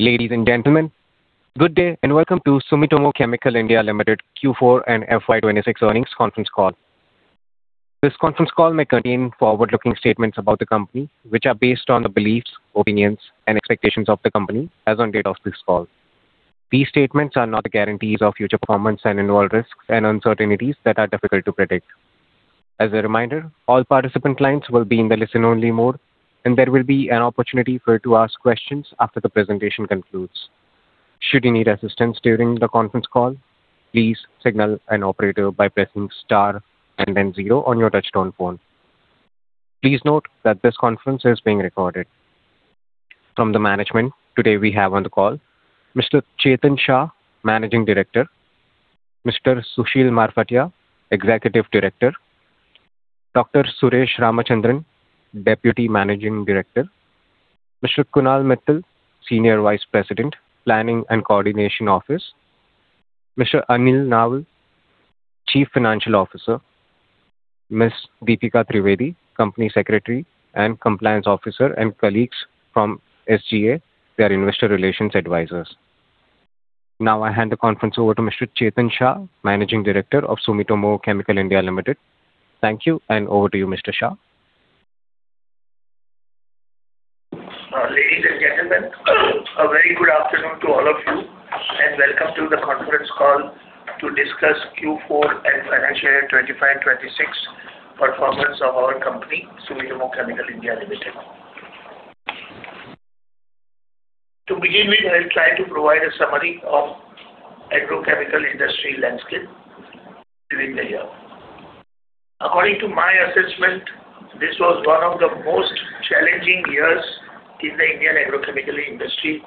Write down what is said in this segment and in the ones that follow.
Ladies and gentlemen, good day and welcome to Sumitomo Chemical India Limited Q4 and FY 2026 earnings conference call. This conference call may contain forward-looking statements about the company, which are based on the beliefs, opinions, and expectations of the company as on date of this call. These statements are not guarantees of future performance and involve risks and uncertainties that are difficult to predict. As a reminder, all participant clients will be in the listen-only mode, and there will be an opportunity for you to ask questions after the presentation concludes. Should you need assistance during the conference call, please signal an operator by pressing star and then zero on your touchtone phone. Please note that this conference is being recorded. From the management, today we have on the call Mr. Chetan Shah, Managing Director. Mr. Sushil Marfatia, Executive Director. Dr. Suresh Ramachandran, Deputy Managing Director. Mr. Kunal Mittal, Senior Vice President, Planning and Coordination Office. Mr. Anil Nawal, Chief Financial Officer. Ms. Deepika Trivedi, Company Secretary and Compliance Officer. Colleagues from SGA, their investor relations advisors. Now I hand the conference over to Mr. Chetan Shah, Managing Director of Sumitomo Chemical India Limited. Thank you, and over to you, Mr. Shah. Ladies and gentlemen, a very good afternoon to all of you, and welcome to the conference call to discuss Q4 and financial year 2025/2026 performance of our company, Sumitomo Chemical India Limited. To begin with, I will try to provide a summary of agrochemical industry landscape during the year. According to my assessment, this was one of the most challenging years in the Indian agrochemical industry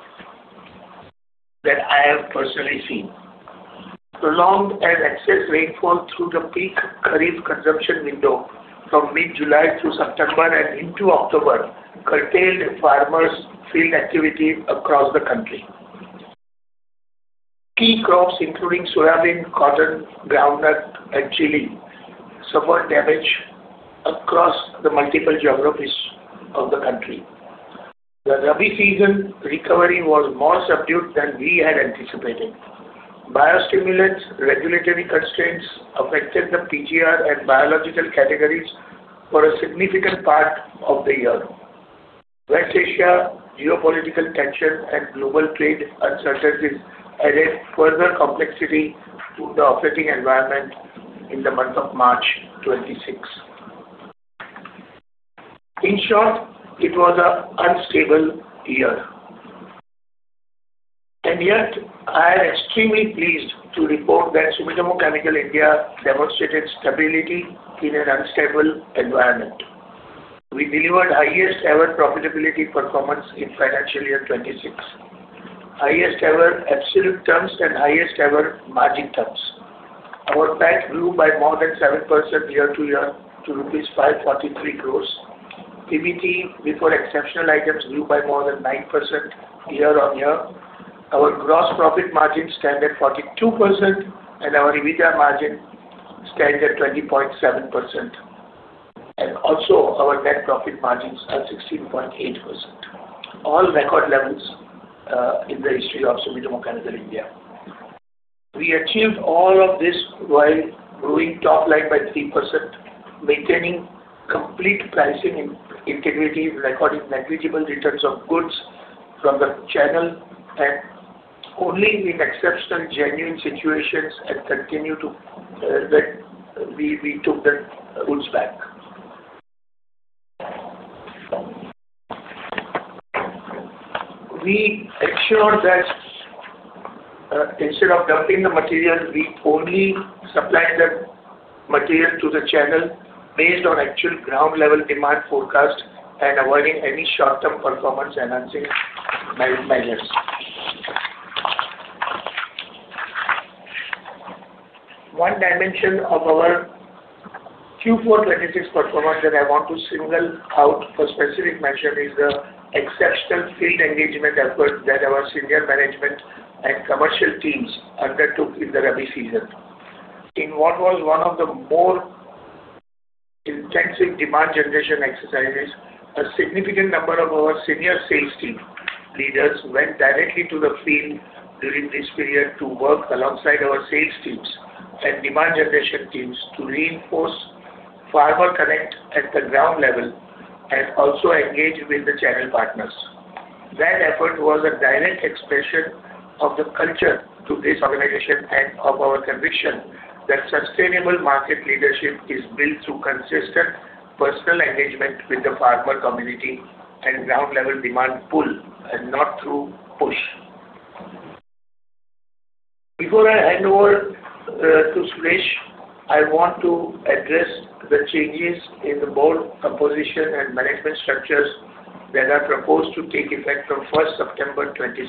that I have personally seen. Prolonged and excess rainfall through the peak kharif consumption window from mid-July through September and into October curtailed farmers' field activity across the country. Key crops including soybean, cotton, groundnut, and chili suffered damage across the multiple geographies of the country. The rabi season recovery was more subdued than we had anticipated. Biostimulants regulatory constraints affected the PGR and biological categories for a significant part of the year. West Asia geopolitical tension and global trade uncertainties added further complexity to the operating environment in the month of March 2026. In short, it was an unstable year. I am extremely pleased to report that Sumitomo Chemical India demonstrated stability in an unstable environment. We delivered highest-ever profitability performance in FY 2026. Highest-ever absolute terms and highest-ever margin terms. Our PAT grew by more than 7% year-over-year to rupees 543 crores. PBT before exceptional items grew by more than 9% year-over-year. Our gross profit margin stand at 42%, and our EBITDA margin stand at 20.7%. Our net profit margins are 16.8%. All record levels, in the history of Sumitomo Chemical India. We achieved all of this while growing top line by 3%, maintaining complete pricing integrity, recording negligible returns of goods from the channel, and only in exceptional genuine situations, we took the goods back. We ensured that instead of dumping the material, we only supply the material to the channel based on actual ground-level demand forecast and avoiding any short-term performance-enhancing measures. One dimension of our Q4 2026 performance that I want to single out for specific mention is the exceptional field engagement effort that our senior management and commercial teams undertook in the rabi season. In what was one of the more intensive demand generation exercises, a significant number of our senior sales team leaders went directly to the field during this period to work alongside our sales teams and demand generation teams to reinforce farmer connect at the ground level and also engage with the channel partners. That effort was a direct expression of the culture to this organization and of our conviction that sustainable market leadership is built through consistent personal engagement with the farmer community and ground-level demand pull and not through push. Before I hand over to Suresh, I want to address the changes in the board composition and management structures that are proposed to take effect from 1st September 2026.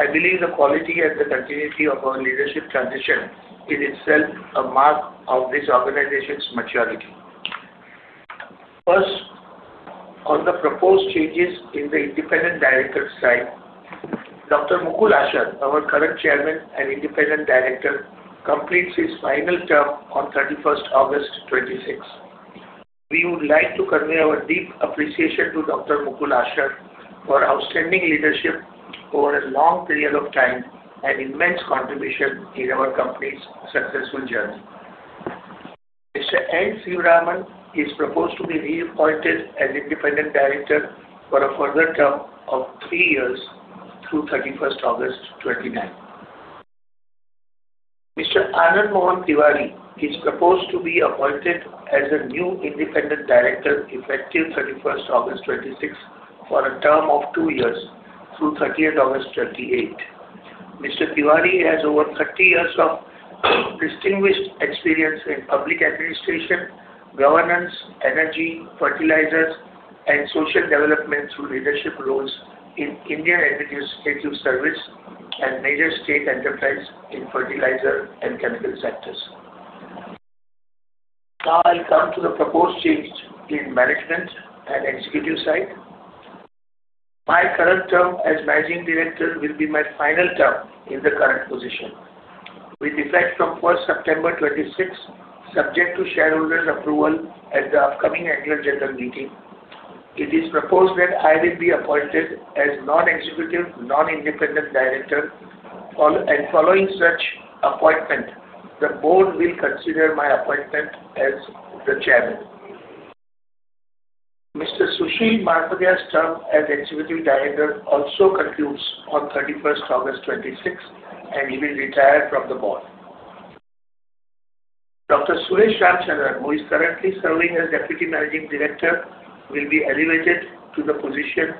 I believe the quality and the continuity of our leadership transition is itself a mark of this organization's maturity. First, on the proposed changes in the independent director side. Dr. Mukul Asher, our current chairman and independent director, completes his final term on 31st August 2026. We would like to convey our deep appreciation to Dr. Mukul Asher for outstanding leadership over a long period of time and immense contribution in our company's successful journey. Mr. N. Sivaraman is proposed to be reappointed as independent director for a further term of three years through 31st August 2029. Mr. Anand Mohan Tiwari is proposed to be appointed as a new independent director effective 31st August 2026, for a term of two years through 30th August 2028. Mr. Tiwari has over 30 years of distinguished experience in public administration, governance, energy, fertilizers, and social development through leadership roles in Indian Administrative Service and major state enterprises in fertilizer and chemical sectors. I'll come to the proposed change in management and executive side. My current term as managing director will be my final term in the current position. With effect from September 1st, 2026, subject to shareholders' approval at the upcoming annual general meeting, it is proposed that I will be appointed as non-executive, non-independent director. Following such appointment, the board will consider my appointment as the chairman. Mr. Sushil Marfatia's term as executive director also concludes on 31st August 2026, and he will retire from the board. Dr. Suresh Ramachandran, who is currently serving as deputy managing director, will be elevated to the position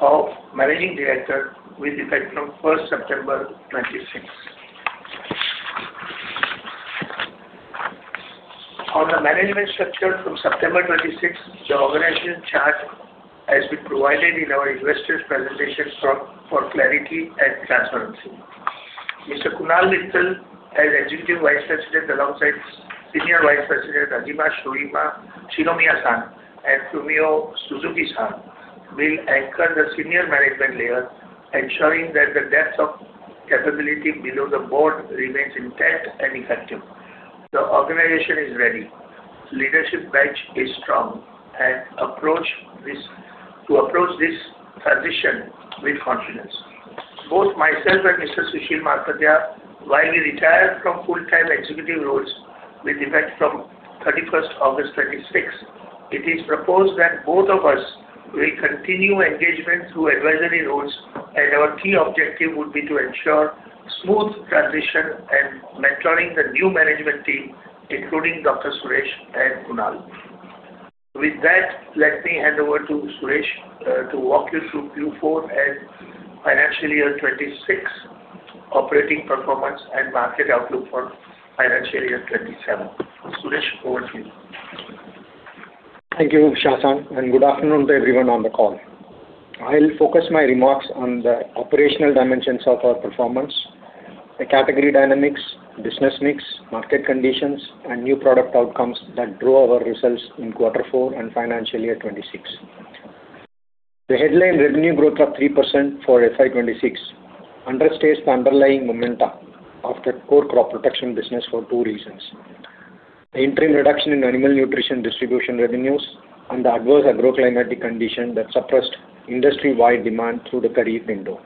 of managing director with effect from September 1st, 2026. On the management structure from September 26th, the organization chart has been provided in our investors presentation for clarity and transparency. Mr. Kunal Mittal, as executive vice president alongside senior vice president Hajime Shinomiya and Fumio Suzuki will anchor the senior management layer, ensuring that the depth of capability below the board remains intact and effective. The organization is ready. Leadership bench is strong to approach this transition with confidence. Both myself and Mr. Sushil Marfatia kindly retire from full-time executive roles with effect from 31st August 2026. It is proposed that both of us will continue engagement through advisory roles and our key objective would be to ensure smooth transition and mentoring the new management team, including Suresh Ramachandran and Kunal Mittal. Let me hand over to Suresh Ramachandran to walk you through Q4 and FY 2026 operating performance and market outlook for FY 2027. Suresh Ramachandran, over to you. Thank you, Chetan Shah, and good afternoon to everyone on the call. I'll focus my remarks on the operational dimensions of our performance, the category dynamics, business mix, market conditions, and new product outcomes that drove our results in quarter four and financial year 2026. The headline revenue growth of 3% for FY 2026 understates the underlying momentum of the core crop protection business for two reasons. The interim reduction in animal nutrition distribution revenues and the adverse agro-climatic condition that suppressed industry-wide demand through the kharif window.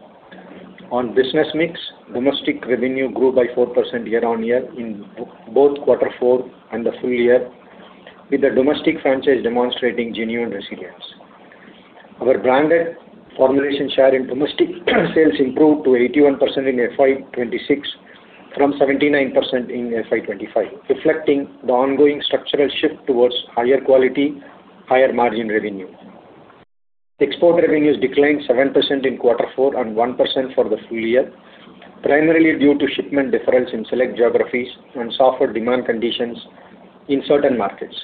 On business mix, domestic revenue grew by 4% year-on-year in both quarter four and the full year, with the domestic franchise demonstrating genuine resilience. Our branded formulation share in domestic sales improved to 81% in FY 2026 from 79% in FY 2025, reflecting the ongoing structural shift towards higher quality, higher margin revenue. Export revenues declined 7% in quarter four and 1% for the full year, primarily due to shipment difference in select geographies and softer demand conditions in certain markets.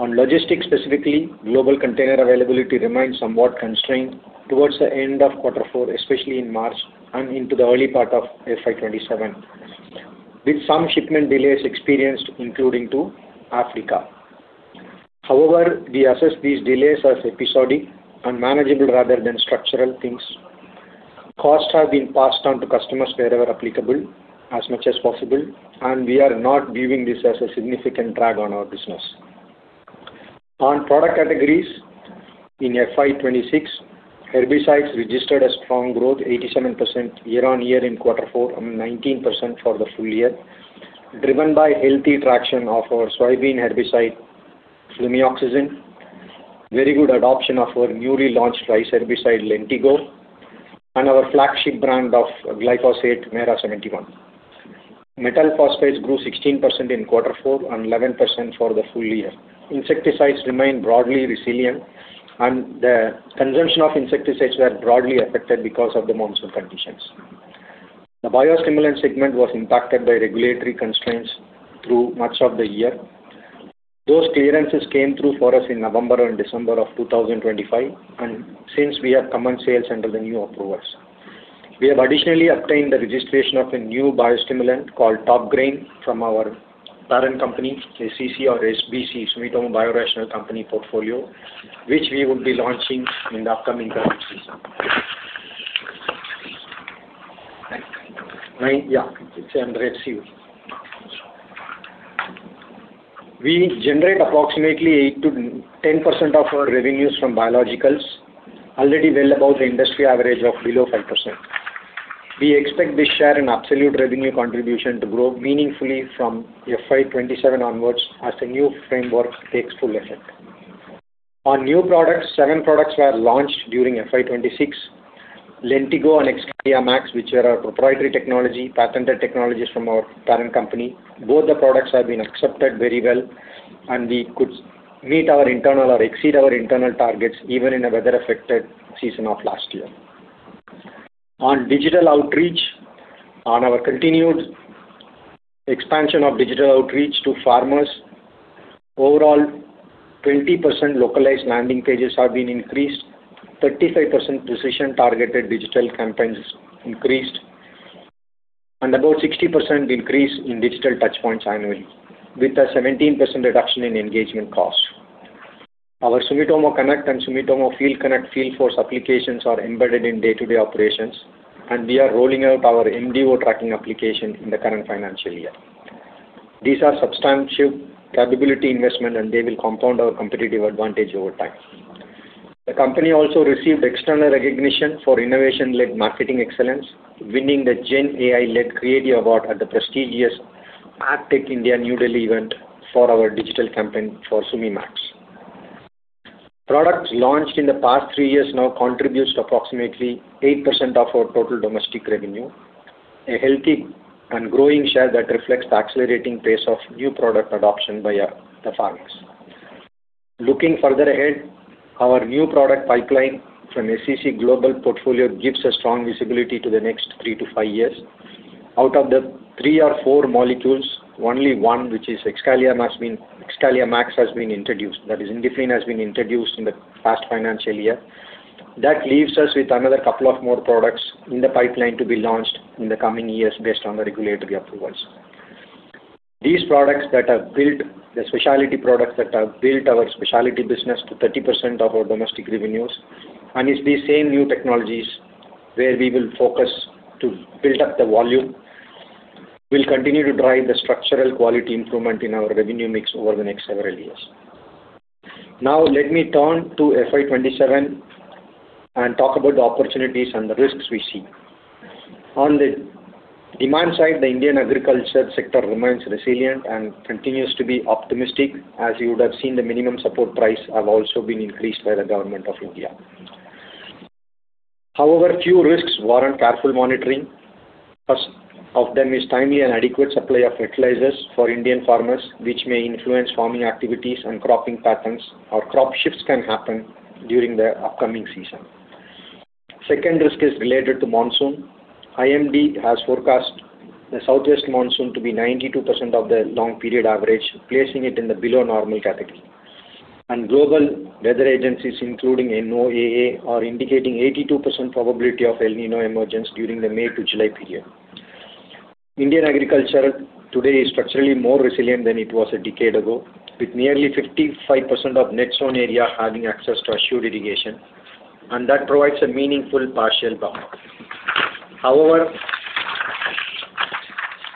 On logistics specifically, global container availability remained somewhat constrained towards the end of quarter four, especially in March and into the early part of FY 2027, with some shipment delays experienced, including to Africa. We assess these delays as episodic and manageable rather than structural things. Costs have been passed on to customers wherever applicable as much as possible. We are not viewing this as a significant drag on our business. On product categories in FY 2026, herbicides registered a strong growth 87% year-over-year in quarter four and 19% for the full year, driven by healthy traction of our soybean herbicide flumioxazin, very good adoption of our newly launched rice herbicide Lentigo, and our flagship brand of glyphosate, Mera 71. Metal phosphates grew 16% in quarter four and 11% for the full year. Insecticides remained broadly resilient, the consumption of insecticides were broadly affected because of the monsoon conditions. The biostimulant segment was impacted by regulatory constraints through much of the year. Those clearances came through for us in November and December of 2025. Since we have commenced sales under the new approvals. We have additionally obtained the registration of a new biostimulant called Top Grain from our parent company, SCC or SBC, Sumitomo Biorational Company portfolio, which we would be launching in the upcoming growing [season nine. Yeah, it's 100 CU]. We generate approximately 8%-10% of our revenues from biologicals, already well above the industry average of below 5%. We expect this share and absolute revenue contribution to grow meaningfully from FY 2027 onwards as the new framework takes full effect. On new products, seven products were launched during FY 2026. Lentigo and Excalia Max, which are our proprietary technology, patented technologies from our parent company. Both the products have been accepted very well, and we could meet our internal or exceed our internal targets even in a weather-affected season of last year. On digital outreach, on our continued expansion of digital outreach to farmers, overall 20% localized landing pages have been increased, 35% precision-targeted digital campaigns increased, and about 60% increase in digital touch points annually with a 17% reduction in engagement cost. Our Sumitomo Connect and Sumitomo Field Connect field force applications are embedded in day-to-day operations, and we are rolling out our MDO tracking application in the current financial year. These are substantive capability investment, and they will compound our competitive advantage over time. The company also received external recognition for innovation-led marketing excellence, winning the Gen AI-led Creative Award at the prestigious ad:tech New Delhi event for our digital campaign for SumiMax. Products launched in the past three years now contributes to approximately 8% of our total domestic revenue, a healthy and growing share that reflects the accelerating pace of new product adoption by the farmers. Looking further ahead, our new product pipeline from SCC global portfolio gives a strong visibility to the next three to five years. Out of the three or four molecules, only one, which is Excalia Max, has been introduced. That is INDIFLIN has been introduced in the past financial year. That leaves us with another couple of more products in the pipeline to be launched in the coming years based on the regulatory approvals. These products that have built our specialty business to 30% of our domestic revenues. It's these same new technologies where we will focus to build up the volume will continue to drive the structural quality improvement in our revenue mix over the next several years. Let me turn to FY 2027 and talk about the opportunities and the risks we see. On the demand side, the Indian agriculture sector remains resilient and continues to be optimistic, as you would have seen the minimum support price have also been increased by the Government of India. Few risks warrant careful monitoring. First of them is timely and adequate supply of fertilizers for Indian farmers, which may influence farming activities and cropping patterns or crop shifts can happen during the upcoming season. Second risk is related to monsoon. IMD has forecast the southwest monsoon to be 92% of the long period average, placing it in the below normal category. Global weather agencies, including NOAA, are indicating 82% probability of El Niño emergence during the May to July period. Indian agriculture today is structurally more resilient than it was a decade ago, with nearly 55% of net sown area having access to assured irrigation, and that provides a meaningful partial buffer. However,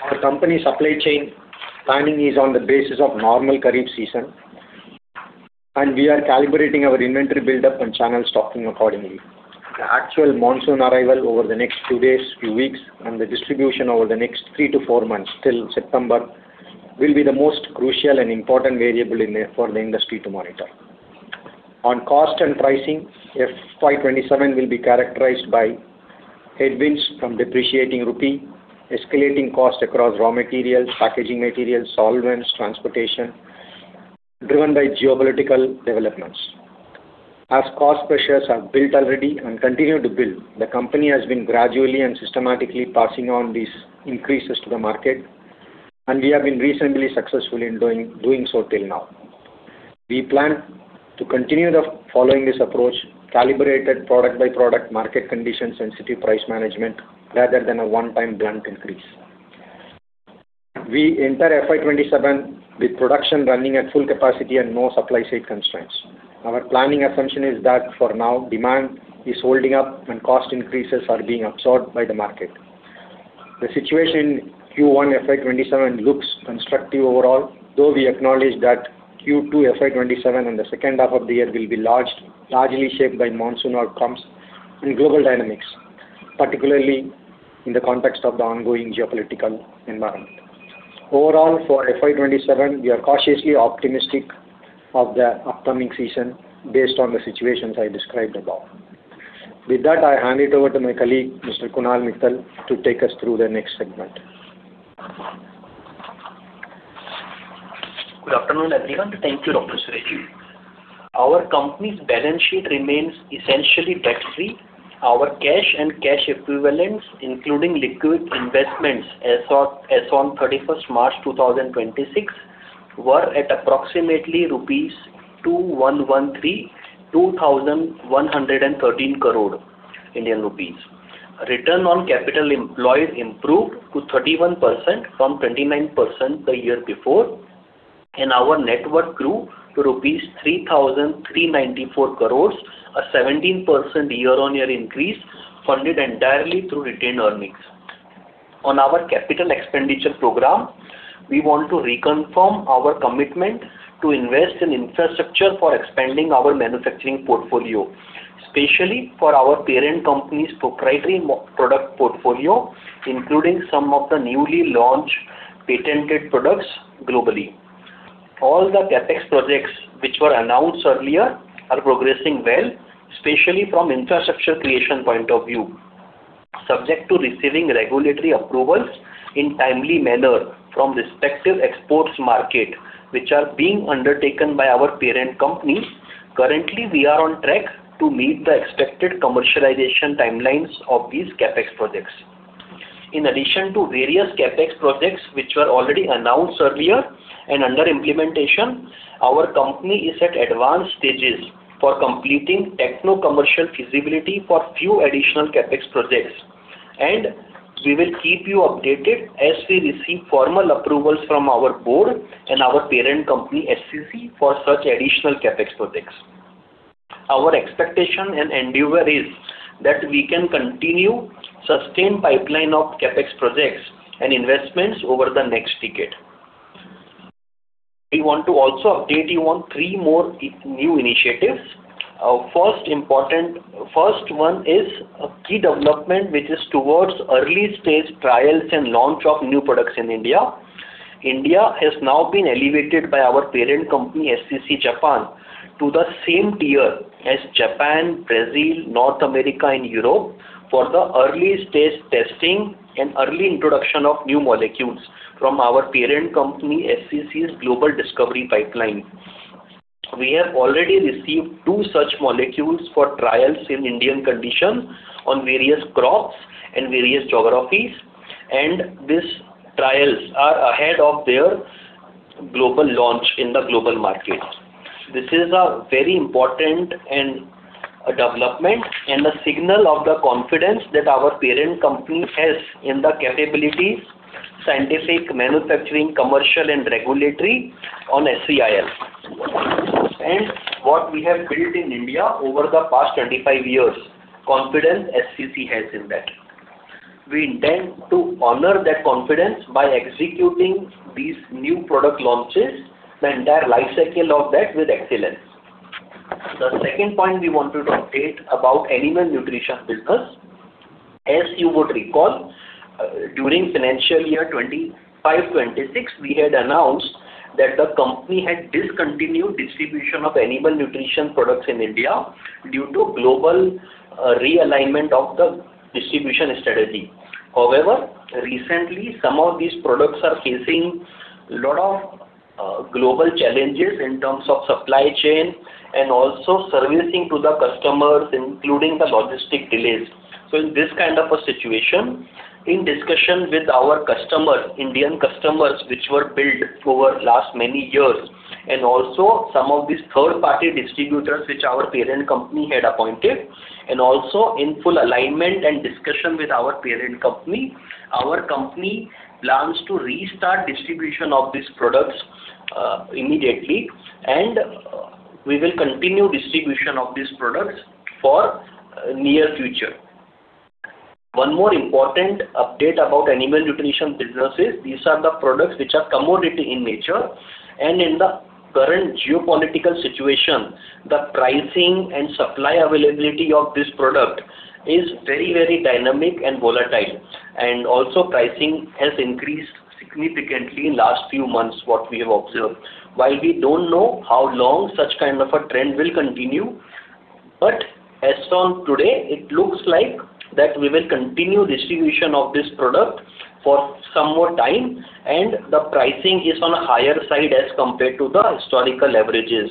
our company supply chain planning is on the basis of normal kharif season, and we are calibrating our inventory buildup and channel stocking accordingly. The actual monsoon arrival over the next two days, few weeks, and the distribution over the next three to four months till September will be the most crucial and important variable for the industry to monitor. On cost and pricing, FY 2027 will be characterized by headwinds from depreciating rupee, escalating cost across raw materials, packaging materials, solvents, transportation, driven by geopolitical developments. Cost pressures have built already and continue to build, the company has been gradually and systematically passing on these increases to the market, and we have been reasonably successful in doing so till now. We plan to continue the following this approach, calibrated product-by-product market condition-sensitive price management, rather than a one-time blunt increase. We enter FY 2027 with production running at full capacity and no supply side constraints. Our planning assumption is that for now, demand is holding up and cost increases are being absorbed by the market. The situation Q1 FY 2027 looks constructive overall, though we acknowledge that Q2 FY 2027 and the second half of the year will be largely shaped by monsoon outcomes and global dynamics, particularly in the context of the ongoing geopolitical environment. Overall, for FY 2027, we are cautiously optimistic of the upcoming season based on the situations I described above. With that, I hand it over to my colleague, Mr. Kunal Mittal, to take us through the next segment. Good afternoon, everyone. Thank you, Dr. Suresh. Our company's balance sheet remains essentially tax-free. Our cash and cash equivalents, including liquid investments as on 31st March 2026, were at approximately 2,113 crore Indian rupees. Return on capital employed improved to 31% from 29% the year before. Our net worth grew to rupees 3,394 crore, a 17% year-on-year increase funded entirely through retained earnings. On our capital expenditure program, we want to reconfirm our commitment to invest in infrastructure for expanding our manufacturing portfolio, especially for our parent company's proprietary product portfolio, including some of the newly launched patented products globally. All the CapEx projects which were announced earlier are progressing well, especially from infrastructure creation point of view. Subject to receiving regulatory approvals in timely manner from respective exports market, which are being undertaken by our parent companies. Currently, we are on track to meet the expected commercialization timelines of these CapEx projects. In addition to various CapEx projects which were already announced earlier and under implementation, our company is at advanced stages for completing techno-commercial feasibility for few additional CapEx projects. We will keep you updated as we receive formal approvals from our board and our parent company, SCC, for such additional CapEx projects. Our expectation and endeavor is that we can continue sustained pipeline of CapEx projects and investments over the next decade. We want to also update you on three more new initiatives. First one is a key development which is towards early-stage trials and launch of new products in India. India has now been elevated by our parent company, SCC, Japan, to the same tier as Japan, Brazil, North America, and Europe for the early-stage testing and early introduction of new molecules from our parent company, SCC's Global Discovery Pipeline. We have already received two such molecules for trials in Indian condition on various crops and various geographies, and these trials are ahead of their global launch in the global market. This is a very important development and a signal of the confidence that our parent company has in the capabilities, scientific, manufacturing, commercial and regulatory on SCIL. What we have built in India over the past 25 years, confidence SCC has in that. We intend to honor that confidence by executing these new product launches, the entire life cycle of that with excellence. The second point we want to update about animal nutrition business. As you would recall, during financial year 2025/2026, we had announced that the company had discontinued distribution of animal nutrition products in India due to global realignment of the distribution strategy. However, recently, some of these products are facing lot of global challenges in terms of supply chain and also servicing to the customers, including the logistic delays. In this kind of a situation, in discussion with our customers, Indian customers, which were built over last many years, and also some of these third-party distributors, which our parent company had appointed, and also in full alignment and discussion with our parent company, our company plans to restart distribution of these products immediately, and we will continue distribution of these products for near future. One more important update about animal nutrition businesses. These are the products which are commodity in nature. In the current geopolitical situation, the pricing and supply availability of this product is very dynamic and volatile. Also pricing has increased significantly in last few months, what we have observed. While we don't know how long such kind of a trend will continue, but as on today, it looks like that we will continue distribution of this product for some more time, and the pricing is on a higher side as compared to the historical averages.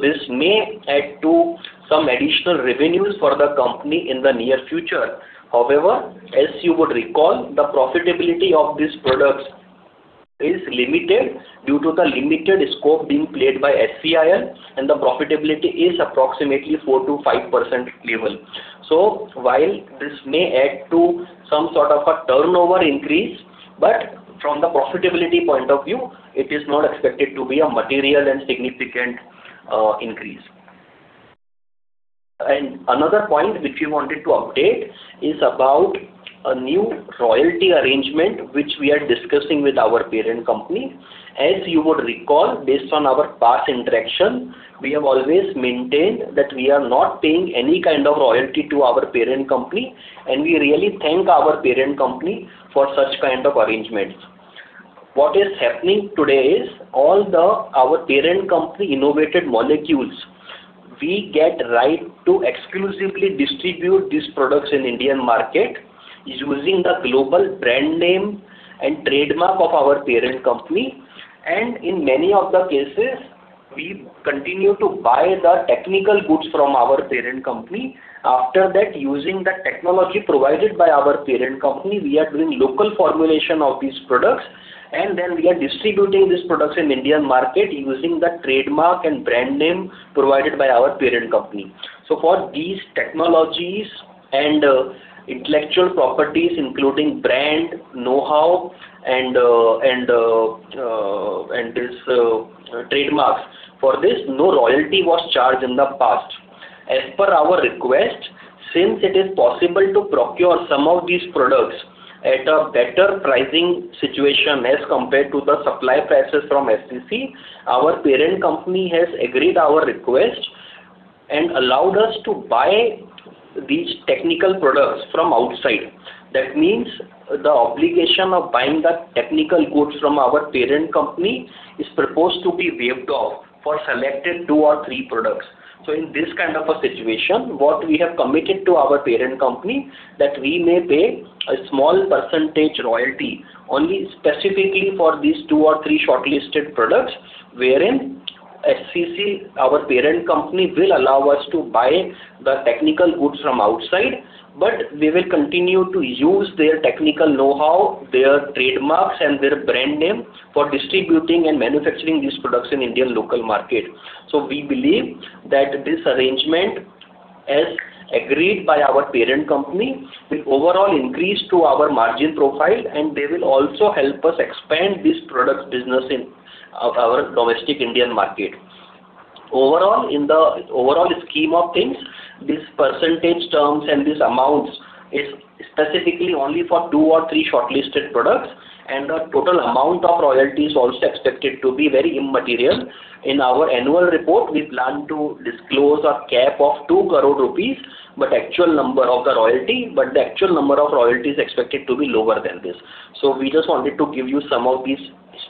This may add to some additional revenues for the company in the near future. However, as you would recall, the profitability of these products is limited due to the limited scope being played by SCIL, and the profitability is approximately 4%-5% level. While this may add to some sort of a turnover increase, but from the profitability point of view, it is not expected to be a material and significant increase. Another point which we wanted to update is about a new royalty arrangement, which we are discussing with our parent company. As you would recall, based on our past interaction, we have always maintained that we are not paying any kind of royalty to our parent company, and we really thank our parent company for such kind of arrangements. What is happening today is all our parent company innovated molecules, we get right to exclusively distribute these products in Indian market using the global brand name and trademark of our parent company. In many of the cases, we continue to buy the technical goods from our parent company. After that, using the technology provided by our parent company, we are doing local formulation of these products, and then we are distributing these products in Indian market using the trademark and brand name provided by our parent company. For these technologies and intellectual properties, including brand, know-how, and these trademarks, no royalty was charged in the past. As per our request, since it is possible to procure some of these products at a better pricing situation as compared to the supply prices from SCC, our parent company has agreed our request and allowed us to buy these technical products from outside. That means the obligation of buying the technical goods from our parent company is proposed to be waived off for selected two or three products. In this kind of a situation, what we have committed to our parent company, that we may pay a small percentage royalty only specifically for these two or three shortlisted products, wherein SCC, our parent company, will allow us to buy the technical goods from outside, but we will continue to use their technical knowhow, their trademarks and their brand name for distributing and manufacturing these products in Indian local market. We believe that this arrangement, as agreed by our parent company, will overall increase to our margin profile, and they will also help us expand this product business in our domestic Indian market. Overall, in the scheme of things, these percentage terms and these amounts is specifically only for two or three shortlisted products, and the total amount of royalties also expected to be very immaterial. In our annual report, we plan to disclose a cap of ₹2 crore, the actual number of royalty is expected to be lower than this. We just wanted to give you some of these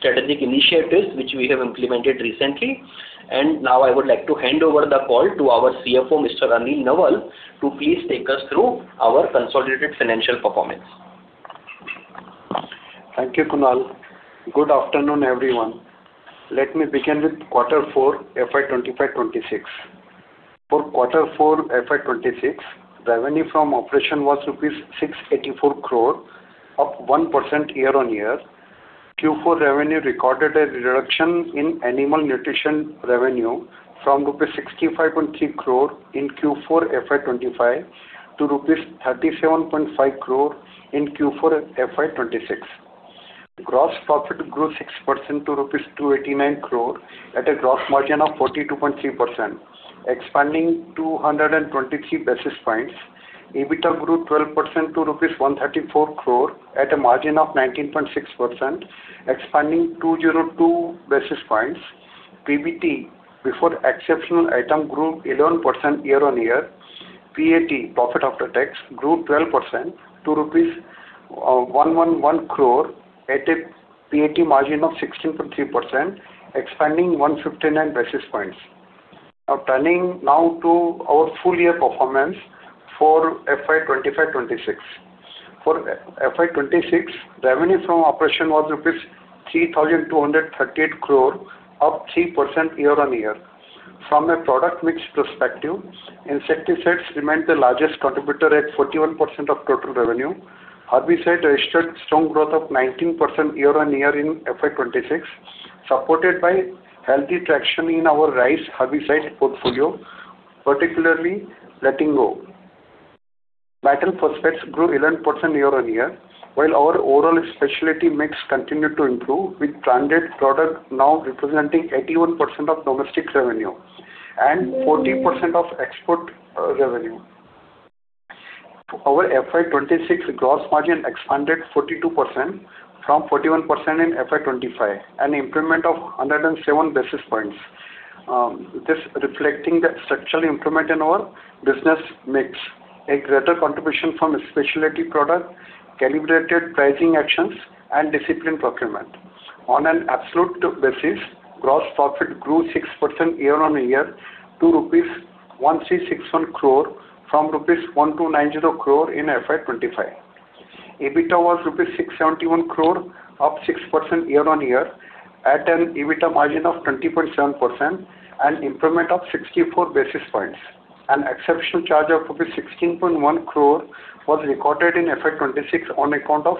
strategic initiatives which we have implemented recently. Now I would like to hand over the call to our CFO, Mr. Anil Nawal, to please take us through our consolidated financial performance. Thank you, Kunal. Good afternoon, everyone. Let me begin with quarter four, FY 2025/2026. For quarter four FY 2026, revenue from operation was rupees 684 crore, up 1% year-on-year. Q4 revenue recorded a reduction in animal nutrition revenue from rupees 65.3 crore in Q4 FY 2025 to rupees 37.5 crore in Q4 FY 2026. Gross profit grew 6% to rupees 289 crore at a gross margin of 42.3%, expanding 223 basis points. EBITDA grew 12% to rupees 134 crore at a margin of 19.6%, expanding 202 basis points. PBT, before exceptional item, grew 11% year-on-year. PAT, profit after tax, grew 12% to rupees 111 crore at a PAT margin of 16.3%, expanding 159 basis points. Now turning to our full year performance for FY 2025/2026. For FY 2026, revenue from operation was rupees 3,238 crore, up 3% year-on-year. From a product mix perspective, insecticides remained the largest contributor at 41% of total revenue. Herbicides registered strong growth of 19% year-on-year in FY 2026, supported by healthy traction in our rice herbicides portfolio, particularly Lentigo. Metal phosphates grew 11% year-on-year, while our overall specialty mix continued to improve, with branded product now representing 81% of domestic revenue and 40% of export revenue. Our FY 2026 gross margin expanded 42% from 41% in FY 2025, an improvement of 107 basis points. This reflecting the structural improvement in our business mix, a greater contribution from specialty product, calibrated pricing actions and disciplined procurement. On an absolute basis, gross profit grew 6% year-on-year to rupees 1,361 crore from rupees 1,290 crore in FY 2025. EBITDA was rupees 671 crore, up 6% year-on-year, at an EBITDA margin of 20.7%, an improvement of 64 basis points. An exceptional charge of 16.1 crore was recorded in FY 2026 on account of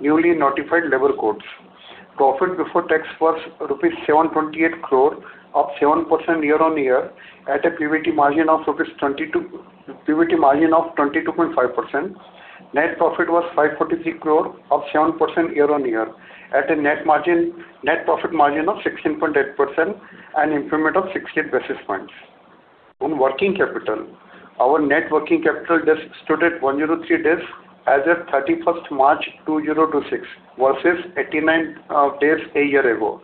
newly notified labor codes. Profit before tax was rupees 728 crore, up 7% year-on-year, at a PBT margin of 22.5%. Net profit was 543 crore, up 7% year-on-year, at a net profit margin of 16.8% and improvement of 68 basis points. On working capital, our net working capital stood at 103 days as of 31st March 2026 versus 89 days a year ago.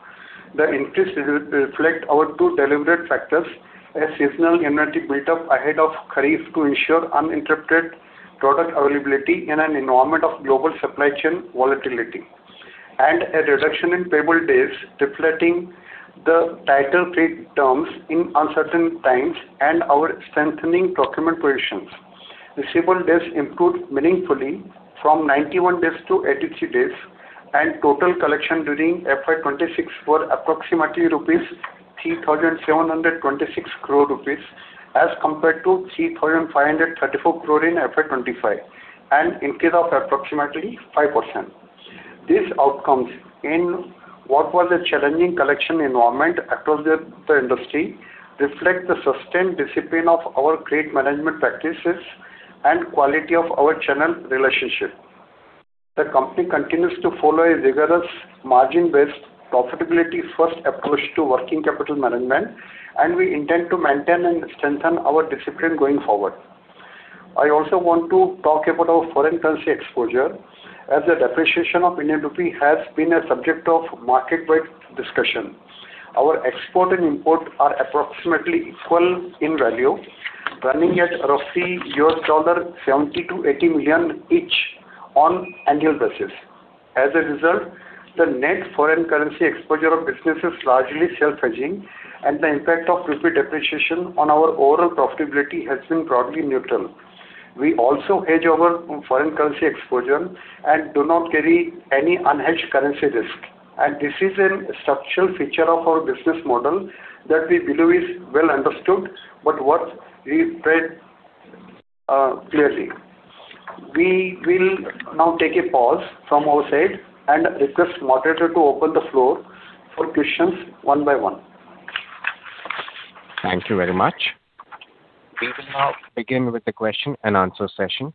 The increase reflects our two deliberate factors: A seasonal inventory buildup ahead of Kharif to ensure uninterrupted product availability in an environment of global supply chain volatility, and a reduction in payable days, reflecting the tighter credit terms in uncertain times and our strengthening procurement positions. Receivable days improved meaningfully from 91 days-83 days. Total collection during FY 2026 were approximately 3,726 crore rupees, as compared to 3,534 crore in FY 2025, an increase of approximately 5%. These outcomes in what was a challenging collection environment across the industry reflect the sustained discipline of our credit management practices and quality of our channel relationship. The company continues to follow a rigorous margin-based profitability first approach to working capital management, and we intend to maintain and strengthen our discipline going forward. I also want to talk about our foreign currency exposure as the depreciation of Indian rupee has been a subject of market-wide discussion. Our export and import are approximately equal in value, running at roughly $70 million-$80 million each on annual basis. The net foreign currency exposure of business is largely self-hedging, and the impact of rupee depreciation on our overall profitability has been broadly neutral. We also hedge our foreign currency exposure and do not carry any unhedged currency risk, and this is a structural feature of our business model that we believe is well understood but worth reiterating clearly. We will now take a pause from our side and request moderator to open the floor for questions one by one. Thank you very much. We will now begin with the question and answer session.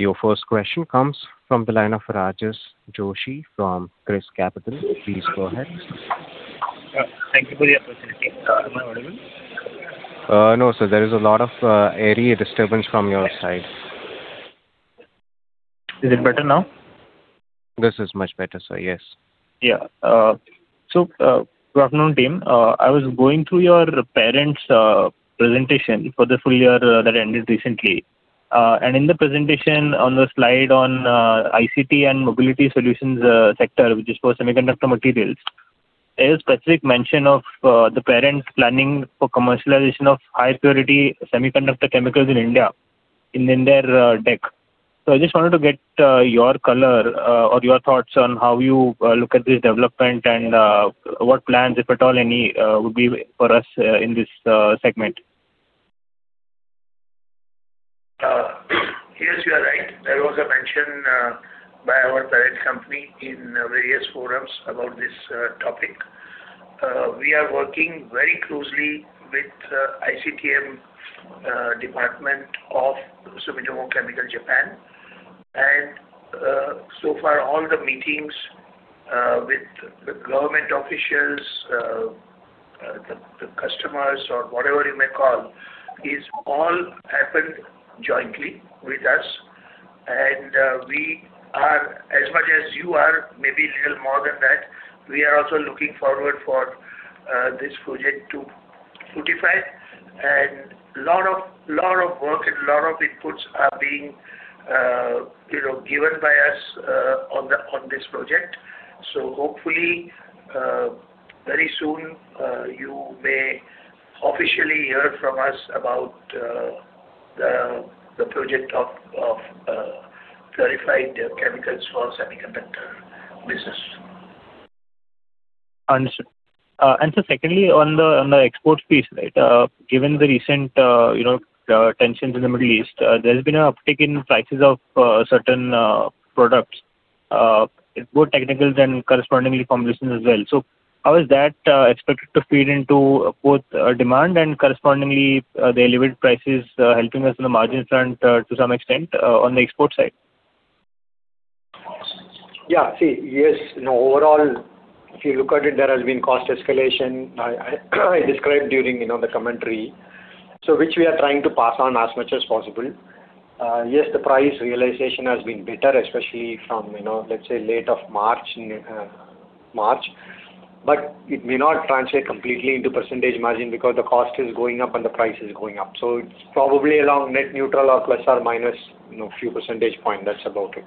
Your first question comes from the line of Rajas Joshi from ChrysCapital. Please go ahead. Thank you for the opportunity. Am I audible? No, sir. There is a lot of airy disturbance from your side. Is it better now? This is much better, sir. Yes. Yeah. Good afternoon, team. I was going through your parent's presentation for the full year that ended recently. In the presentation on the slide on ICT and mobility solutions sector, which is for semiconductor materials, there's specific mention of the parent planning for commercialization of high purity semiconductor chemicals in India in their deck. I just wanted to get your color or your thoughts on how you look at this development and what plans, if at all any, would be for us in this segment. Yes, you are right. There was a mention by our parent company in various forums about this topic. We are working very closely with ICTM department of Sumitomo Chemical Japan. So far, all the meetings with the government officials, the customers, or whatever you may call, it's all happened jointly with us. We are as much as you are, maybe little more than that, we are also looking forward for this project to fructify. Lot of work and lot of inputs are being given by us on this project. Hopefully, very soon, you may officially hear from us about the project of purified chemicals for semiconductor business. Understood. Sir, secondly, on the export piece, right? Given the recent tensions in the Middle East, there's been an uptick in prices of certain products, both technicals and correspondingly from business as well. How is that expected to feed into both demand and correspondingly the elevated prices helping us in the margins front to some extent on the export side? Yeah. Yes, in overall, if you look at it, there has been cost escalation. I described during the commentary. Which we are trying to pass on as much as possible. Yes, the price realization has been better, especially from let's say, late of March. It may not translate completely into percentage margin because the cost is going up and the price is going up. It's probably along net neutral or plus or minus few percentage point. That's about it.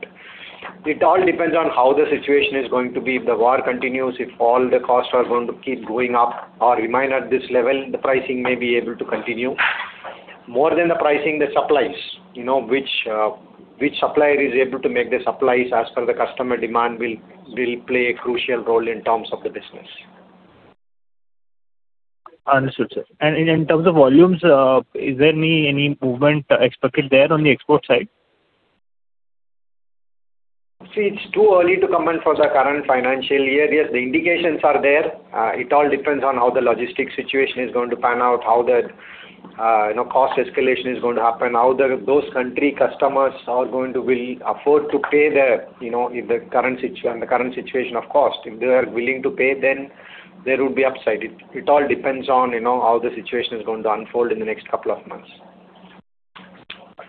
It all depends on how the situation is going to be. If the war continues, if all the costs are going to keep going up or remain at this level, the pricing may be able to continue. More than the pricing, the supplies. Which supplier is able to make the supplies as per the customer demand will play a crucial role in terms of the business. Understood, sir. In terms of volumes, is there any movement expected there on the export side? It's too early to comment for the current financial year. The indications are there. It all depends on how the logistics situation is going to pan out, how the cost escalation is going to happen, how those country customers are going to afford to pay their, in the current situation of cost. If they are willing to pay, there would be upside. It all depends on how the situation is going to unfold in the next couple of months.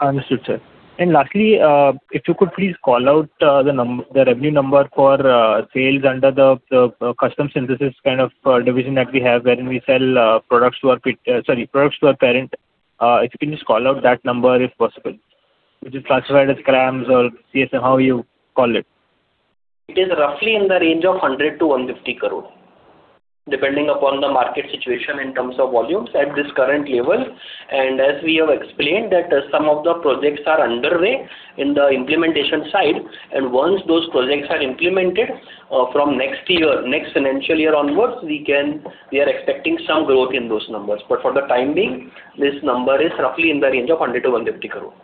Understood, sir. Lastly, if you could please call out the revenue number for sales under the custom synthesis kind of division that we have wherein we sell products to our parent. If you can just call out that number if possible, which is classified as CRAMS or CSM, how you call it. It is roughly in the range of 100-150 crore, depending upon the market situation in terms of volumes at this current level. As we have explained, some of the projects are underway in the implementation side, and once those projects are implemented from next financial year onwards, we are expecting some growth in those numbers. For the time being, this number is roughly in the range of 100-150 crore.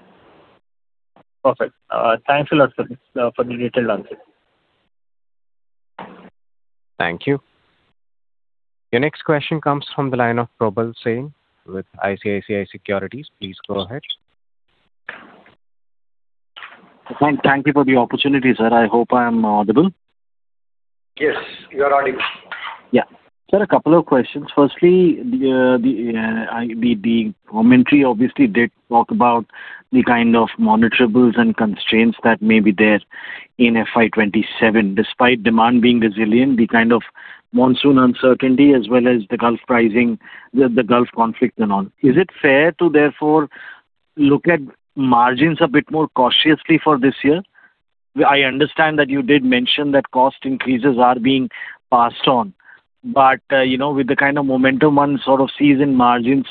Perfect. Thanks a lot, sir, for the detailed answer. Thank you. Your next question comes from the line of Probal Sen with ICICI Securities. Please go ahead. Thank you for the opportunity, sir. I hope I am audible. Yes, you are audible. Sir, a couple of questions. Firstly, the commentary obviously did talk about the kind of monitorables and constraints that may be there in FY 2027. Despite demand being resilient, the kind of monsoon uncertainty as well as the Gulf conflict and all, is it fair to therefore look at margins a bit more cautiously for this year? I understand that you did mention that cost increases are being passed on. With the kind of momentum one sort of sees in margins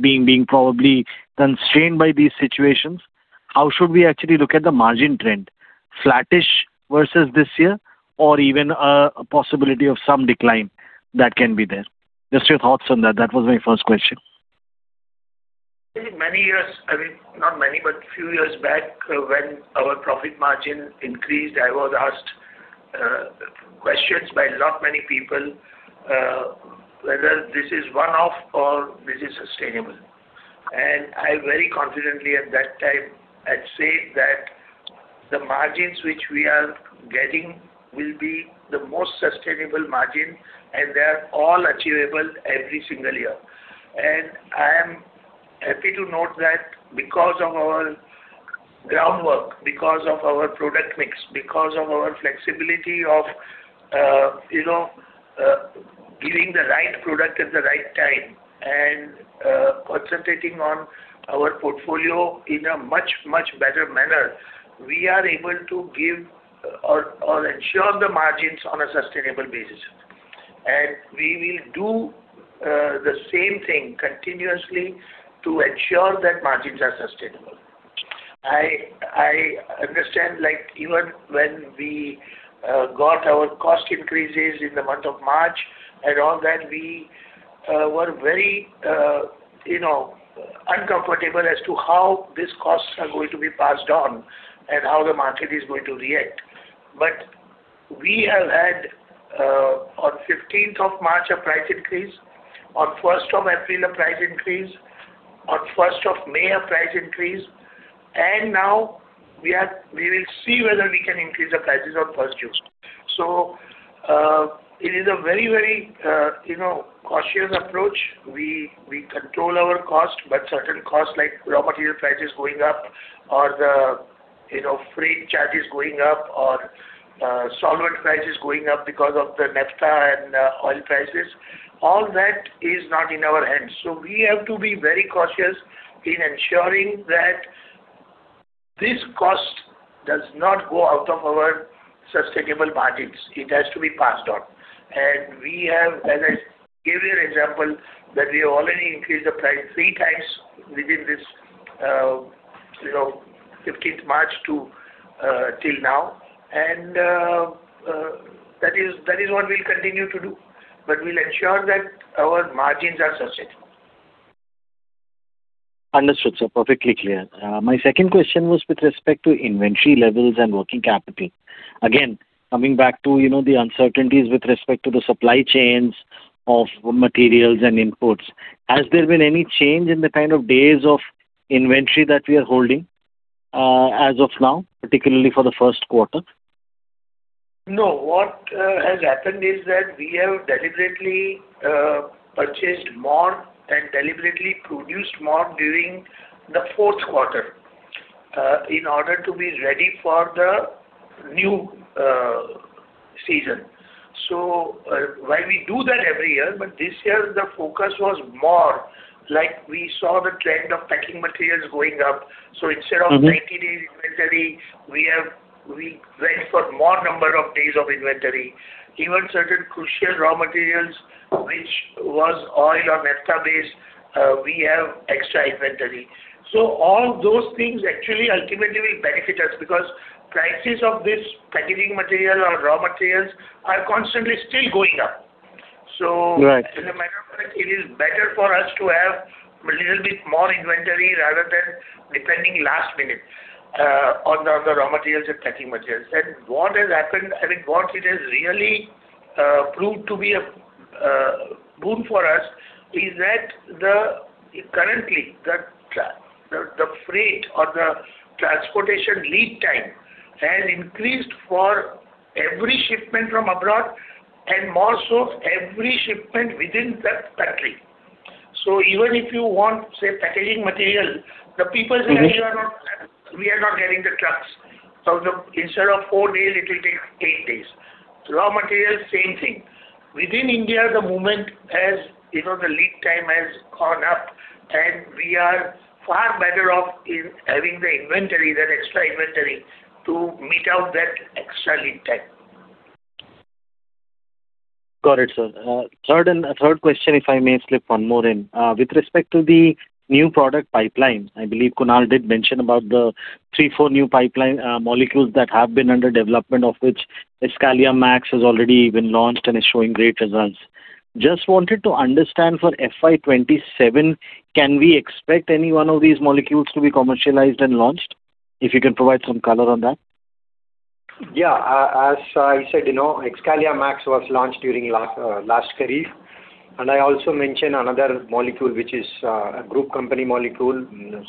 being probably constrained by these situations, how should we actually look at the margin trend? Flattish versus this year, or even a possibility of some decline that can be there? Just your thoughts on that. That was my first question. Many years, I mean, not many, but few years back when our profit margin increased, I was asked questions by lot many people whether this is one-off or this is sustainable. I very confidently at that time had said that the margins which we are getting will be the most sustainable margin, and they are all achievable every single year. I am happy to note that because of our groundwork, because of our product mix, because of our flexibility of giving the right product at the right time and concentrating on our portfolio in a much, much better manner, we are able to give or ensure the margins on a sustainable basis. We will do the same thing continuously to ensure that margins are sustainable. I understand, even when we got our cost increases in the month of March and all that, we were very uncomfortable as to how these costs are going to be passed on and how the market is going to react. We have had on 15th of March, a price increase, on 1st of April, a price increase, on 1st of May, a price increase, and now we will see whether we can increase the prices on 1st June. It is a very cautious approach. We control our cost, certain costs like raw material prices going up or the freight charges going up or solvent prices going up because of the naphtha and oil prices, all that is not in our hands. We have to be very cautious in ensuring that this cost does not go out of our sustainable margins. It has to be passed on. We have, as I gave you an example, that we already increased the price three times within this, 15th March till now. That is what we'll continue to do, but we'll ensure that our margins are sustainable. Understood, sir. Perfectly clear. My second question was with respect to inventory levels and working capital. Again, coming back to the uncertainties with respect to the supply chains of materials and imports, has there been any change in the kind of days of inventory that we are holding as of now, particularly for the first quarter? What has happened is that we have deliberately purchased more and deliberately produced more during the fourth quarter in order to be ready for the new season. While we do that every year, but this year, the focus was more, like we saw the trend of packing materials going up. Instead of 90 days inventory, we went for more number of days of inventory. Even certain crucial raw materials, which was oil or naphtha based, we have extra inventory. All those things actually ultimately will benefit us because prices of this packaging material or raw materials are constantly still going up. Right. As a matter of fact, it is better for us to have a little bit more inventory rather than depending last minute on the raw materials and packing materials. What it has really proved to be a boon for us is that currently the freight or the transportation lead time has increased for every shipment from abroad and more so every shipment within the country. Even if you want, say, packaging material, the people say we are not getting the trucks. Instead of four days, it will take eight days. Raw materials, same thing. Within India, the lead time has gone up and we are far better off in having the inventory, that extra inventory to meet out that extra lead time. Got it, sir. Third question, if I may slip one more in. With respect to the new product pipeline, I believe Kunal did mention about the three, four new pipeline molecules that have been under development, of which Excalia Max has already been launched and is showing great results. Just wanted to understand for FY 2027, can we expect any one of these molecules to be commercialized and launched? If you can provide some color on that. Yeah. As I said, Excalia Max was launched during last kharif. I also mentioned another molecule, which is a group company molecule,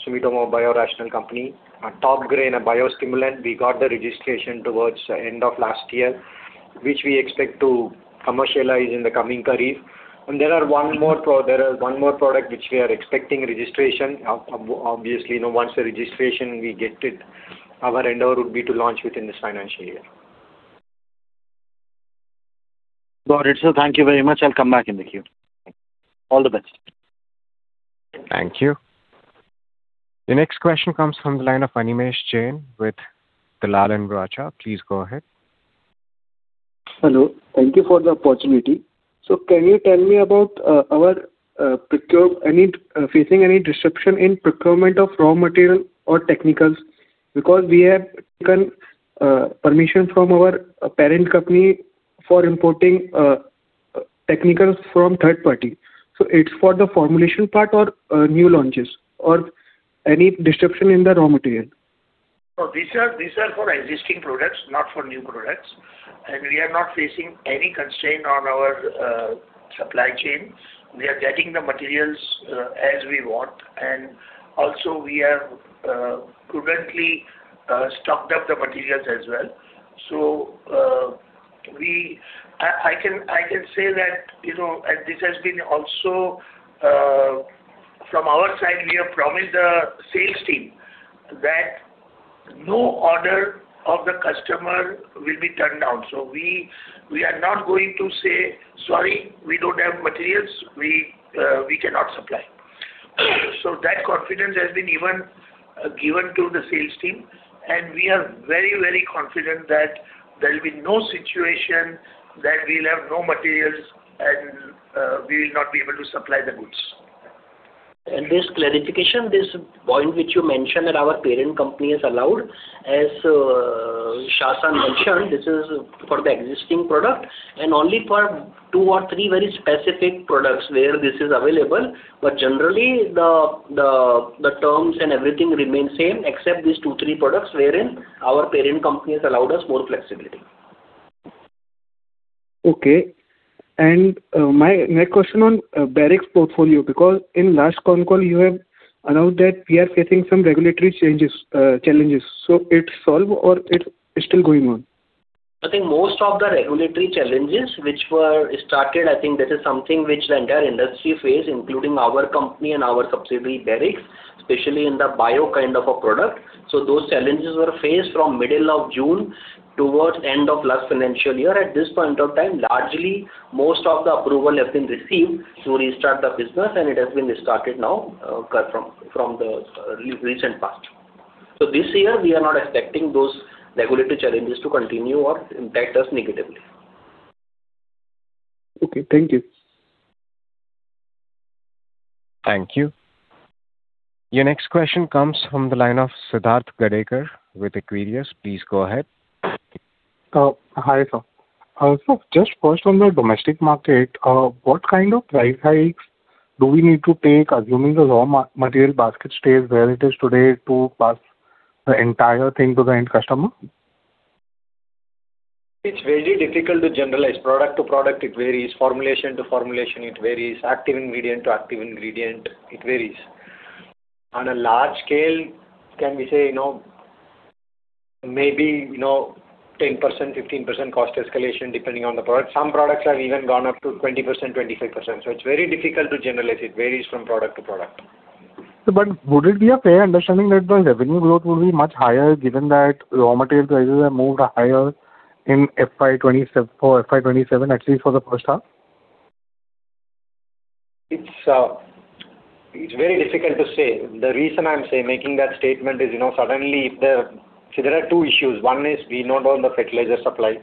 Sumitomo Biorational Company, Top Grain, a biostimulant. We got the registration towards the end of last year, which we expect to commercialize in the coming kharif. There is one more product which we are expecting registration. Obviously, once the registration we get it, our endeavor would be to launch within this financial year. Got it, sir. Thank you very much. I'll come back in the queue. All the best. Thank you. The next question comes from the line of Animesh Jain with Dalal & Broacha. Please go ahead. Hello. Thank you for the opportunity. Can you tell me about our facing any disruption in procurement of raw material or technicals? We have taken permission from our parent company for importing technicals from third party. It's for the formulation part or new launches or any disruption in the raw material. These are for existing products, not for new products. We are not facing any constraint on our supply chain. We are getting the materials as we want. Also we have prudently stocked up the materials as well. I can say that, and this has been also from our side, we have promised the sales team that no order of the customer will be turned down. We are not going to say, "Sorry, we don't have materials. We cannot supply." That confidence has been even given to the sales team, and we are very confident that there will be no situation that we'll have no materials and we will not be able to supply the goods. This clarification, this point which you mentioned that our parent company has allowed, as Shah mentioned, this is for the existing product and only for two or three very specific products where this is available. Generally, the terms and everything remain same except these two, three products, wherein our parent company has allowed us more flexibility. Okay. My next question on Barrix's portfolio, because in last con call, you have announced that we are facing some regulatory challenges. It's solved or it's still going on? I think most of the regulatory challenges which were started, I think this is something which the entire industry face, including our company and our subsidiary, Barrix, especially in the bio kind of a product. Those challenges were faced from middle of June towards end of last financial year. At this point of time, largely, most of the approval have been received to restart the business, and it has been restarted now from the recent past. This year, we are not expecting those regulatory challenges to continue or impact us negatively. Okay. Thank you. Thank you. Your next question comes from the line of Siddharth Gadekar with Equirus. Please go ahead. Hi, sir. Just first on the domestic market, what kind of price hikes do we need to take, assuming the raw material basket stays where it is today to pass the entire thing to the end customer? It's very difficult to generalize. Product to product, it varies. Formulation to formulation, it varies. Active ingredient to active ingredient, it varies. On a large scale, can we say maybe 10%-15% cost escalation depending on the product. Some products have even gone up to 20%-25%. It's very difficult to generalize. It varies from product to product. Would it be a fair understanding that the revenue growth will be much higher given that raw material prices have moved higher for FY 2027, at least for the first half? It's very difficult to say. The reason I'm making that statement is there are two issues. One is we know about the fertilizer supply.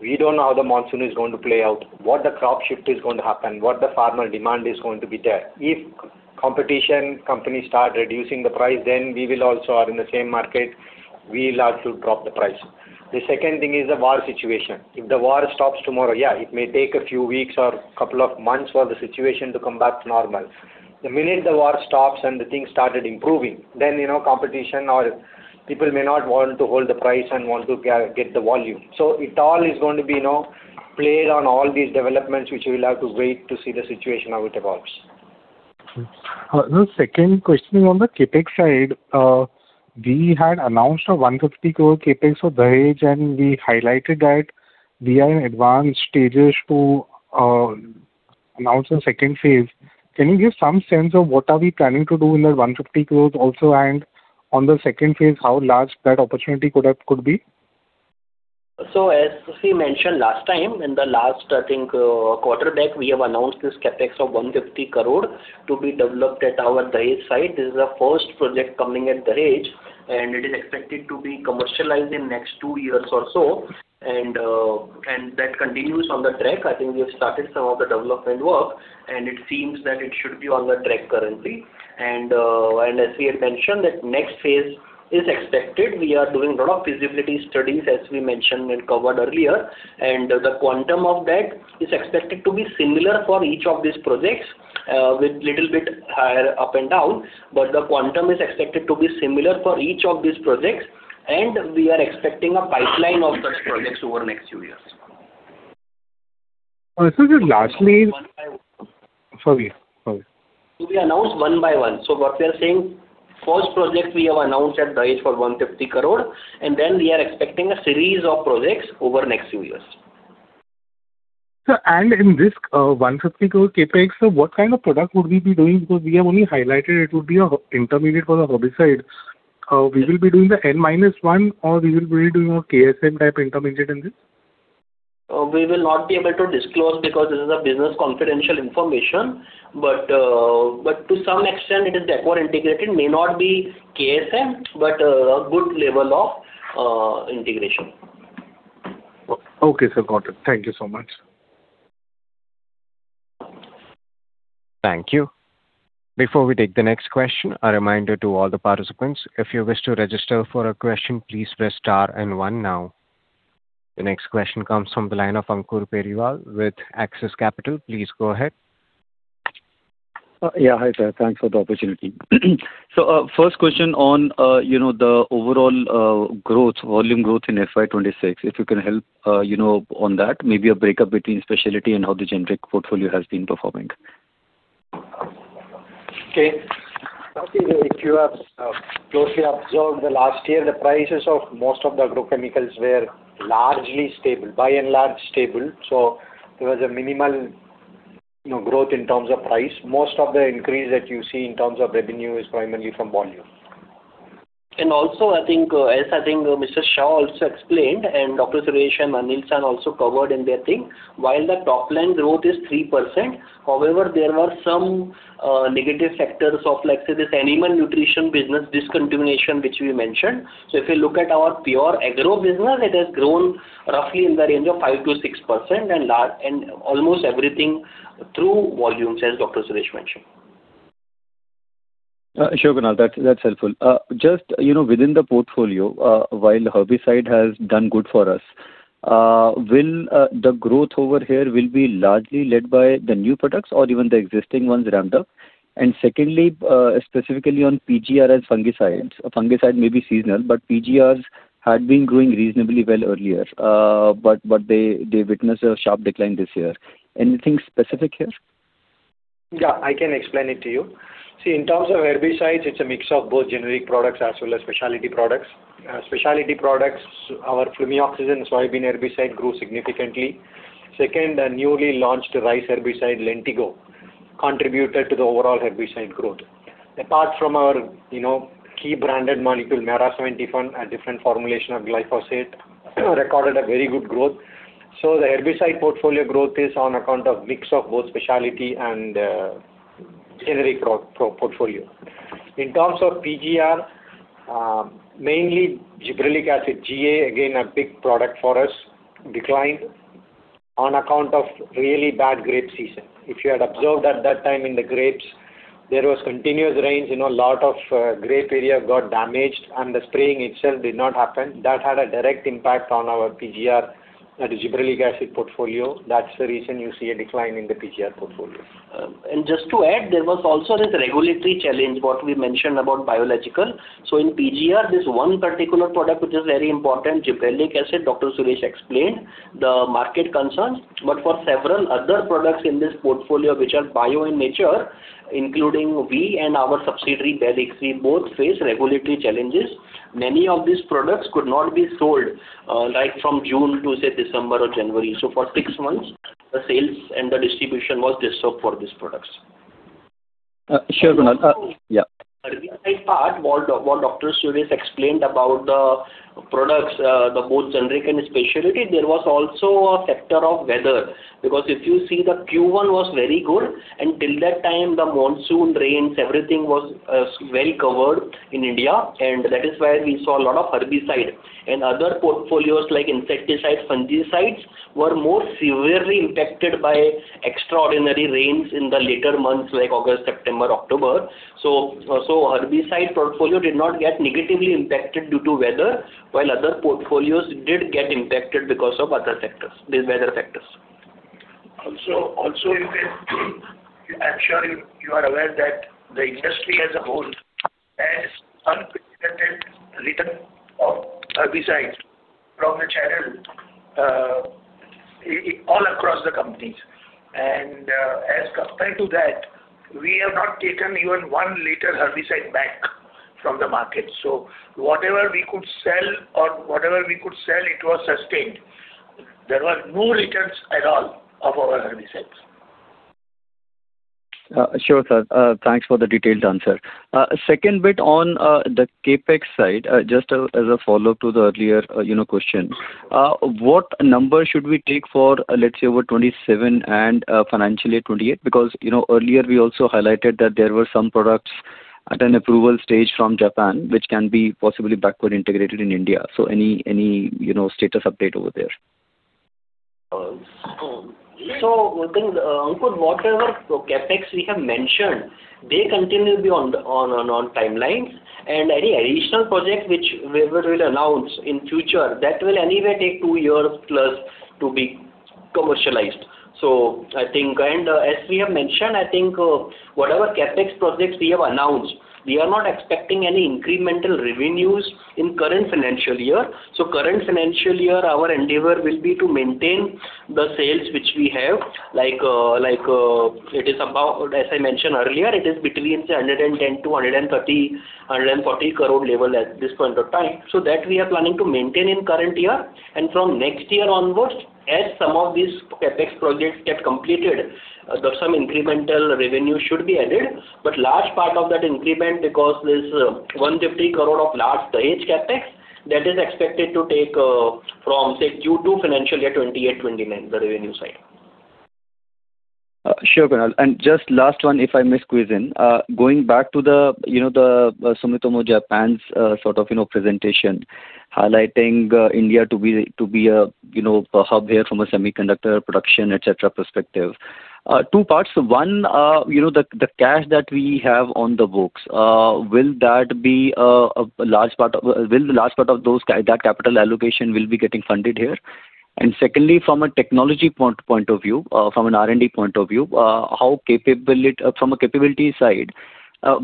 We don't know how the monsoon is going to play out, what the crop shift is going to happen, what the farmer demand is going to be there. If competition companies start reducing the price, then we will also are in the same market, we'll have to drop the price. The second thing is the war situation. If the war stops tomorrow, yeah, it may take a few weeks or couple of months for the situation to come back to normal. The minute the war stops and the things started improving, then competition or people may not want to hold the price and want to get the volume. It all is going to be played on all these developments, which we will have to wait to see the situation how it evolves. The second question on the CapEx side, we had announced a INR 150 crore CapEx for Dahej, and we highlighted that we are in advanced stages. Now it's the second phase. Can you give some sense of what are we planning to do in the 150 crore also? On the second phase, how large that opportunity could be? As we mentioned last time, in the last, I think, quarter deck, we have announced this CapEx of 150 crore to be developed at our Dahej site. This is the first project coming at Dahej, and it is expected to be commercialized in next two years or so. That continues on the track. I think we have started some of the development work, and it seems that it should be on the track currently. As we had mentioned, that next phase is expected. We are doing a lot of feasibility studies, as we mentioned and covered earlier. The quantum of that is expected to be similar for each of these projects, with little bit higher up and down. The quantum is expected to be similar for each of these projects, and we are expecting a pipeline of such projects over next few years. Sir, since it lasts. One by one. Sorry. To be announced one by one. What we are saying, first project we have announced at Dahej for 150 crore, we are expecting a series of projects over next few years. Sir, in this 150 crore CapEx, what kind of product would we be doing? Because we have only highlighted it would be a intermediate for the herbicides. We will be doing the N-1 or we will be doing a KSM type intermediate in this? We will not be able to disclose because this is a business confidential information. To some extent, it is that more integrated may not be KSM, but a good level of integration. Okay, sir. Got it. Thank you so much. Thank you. Before we take the next question, a reminder to all the participants. If you wish to register for a question, please press star and one now. The next question comes from the line of Ankur Periwal with Axis Capital. Please go ahead. Yeah. Hi, sir. Thanks for the opportunity. First question on the overall volume growth in FY 2026. If you can help on that, maybe a breakup between specialty and how the generic portfolio has been performing? Okay. Ankur, if you have closely observed the last year, the prices of most of the agrochemicals were largely stable, by and large stable. There was a minimal growth in terms of price. Most of the increase that you see in terms of revenue is primarily from volume. Also, as I think Mr. Shah also explained, and Dr. Suresh and Anil, sir also covered in their thing, while the top-line growth is 3%, however, there were some negative factors of, like, say, this animal nutrition business discontinuation, which we mentioned. If you look at our pure agro business, it has grown roughly in the range of 5%-6%, and almost everything through volume, as Dr. Suresh mentioned. Sure, Kunal. That's helpful. Just within the portfolio, while herbicide has done good for us, the growth over here will be largely led by the new products or even the existing ones ramped up? Secondly, specifically on PGR as fungicides. A fungicide may be seasonal, but PGRs had been growing reasonably well earlier. They witnessed a sharp decline this year. Anything specific here? Yeah, I can explain it to you. In terms of herbicides, it's a mix of both generic products as well as specialty products. Specialty products, our flumioxazin soybean herbicide grew significantly. A newly launched rice herbicide, Lentigo, contributed to the overall herbicide growth. Apart from our key branded molecule, Mera 71, a different formulation of glyphosate, recorded a very good growth. The herbicide portfolio growth is on account of mix of both specialty and generic portfolio. In terms of PGR, mainly gibberellic acid, GA, again, a big product for us, declined on account of really bad grape season. If you had observed at that time in the grapes, there was continuous rains, a lot of grape area got damaged, and the spraying itself did not happen. That had a direct impact on our PGR, that is gibberellic acid portfolio. That's the reason you see a decline in the PGR portfolio. Just to add, there was also this regulatory challenge, what we mentioned about biological. In PGR, this one particular product, which is very important, gibberellic acid, Dr. Suresh explained the market concerns. For several other products in this portfolio, which are bio in nature, including we and our subsidiary, Barrix, we both face regulatory challenges. Many of these products could not be sold right from June to, say, December or January. For six months, the sales and the distribution was disturbed for these products. Sure, Kunal. Yeah. Herbicides part, what Suresh explained about the products, both generic and specialty, there was also a factor of weather. If you see the Q1 was very good, and till that time, the monsoon rains, everything was well covered in India, and that is why we saw a lot of herbicides. Other portfolios like insecticides, fungicides, were more severely impacted by extraordinary rains in the later months, like August, September, October. Herbicide portfolio did not get negatively impacted due to weather, while other portfolios did get impacted because of other sectors, these weather factors. I'm sure you are aware that the industry as a whole has unprecedented return of herbicides from the channel all across the companies. We have not taken even one liter herbicide back from the market. Whatever we could sell, it was sustained. There were no returns at all of our herbicides. Sure, sir. Thanks for the detailed answer. Second bit on the CapEx side, just as a follow-up to the earlier question. What number should we take for, let's say, over 2027 and financial year 2028? Earlier we also highlighted that there were some products at an approval stage from Japan which can be possibly backward integrated in India. Any status update over there? Ankur, whatever CapEx we have mentioned, they continue to be on timelines and any additional projects which we will announce in future, that will anyway take two years plus to be commercialized. As we have mentioned, I think whatever CapEx projects we have announced, we are not expecting any incremental revenues in current financial year. Current financial year, our endeavor will be to maintain the sales which we have, like as I mentioned earlier, it is between 110 to 130, 140 crore level at this point of time. That we are planning to maintain in current year. From next year onwards, as some of these CapEx projects get completed, some incremental revenue should be added. Large part of that increment, because this 150 crore of large Dahej CapEx, that is expected to take from, say, due to financial year 2028, 2029, the revenue side. Sure, Kunal. Just last one if I may squeeze in. Going back to the Sumitomo Chemical Company's presentation highlighting India to be a hub there from a semiconductor production, et cetera, perspective. Two parts. One, the cash that we have on the books, will the large part of that capital allocation will be getting funded here? Secondly, from a technology point of view, from an R&D point of view, from a capability side,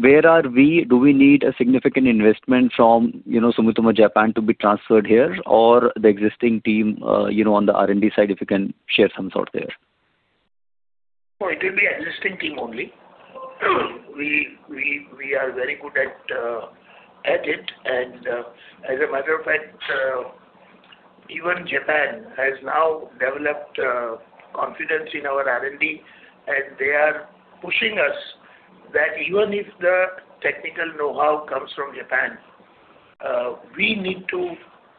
where are we? Do we need a significant investment from Sumitomo Chemical Company to be transferred here or the existing team on the R&D side, if you can share some thought there. No, it will be existing team only. We are very good at it and as a matter of fact, even Japan has now developed confidence in our R&D and they are pushing us that even if the technical know-how comes from Japan,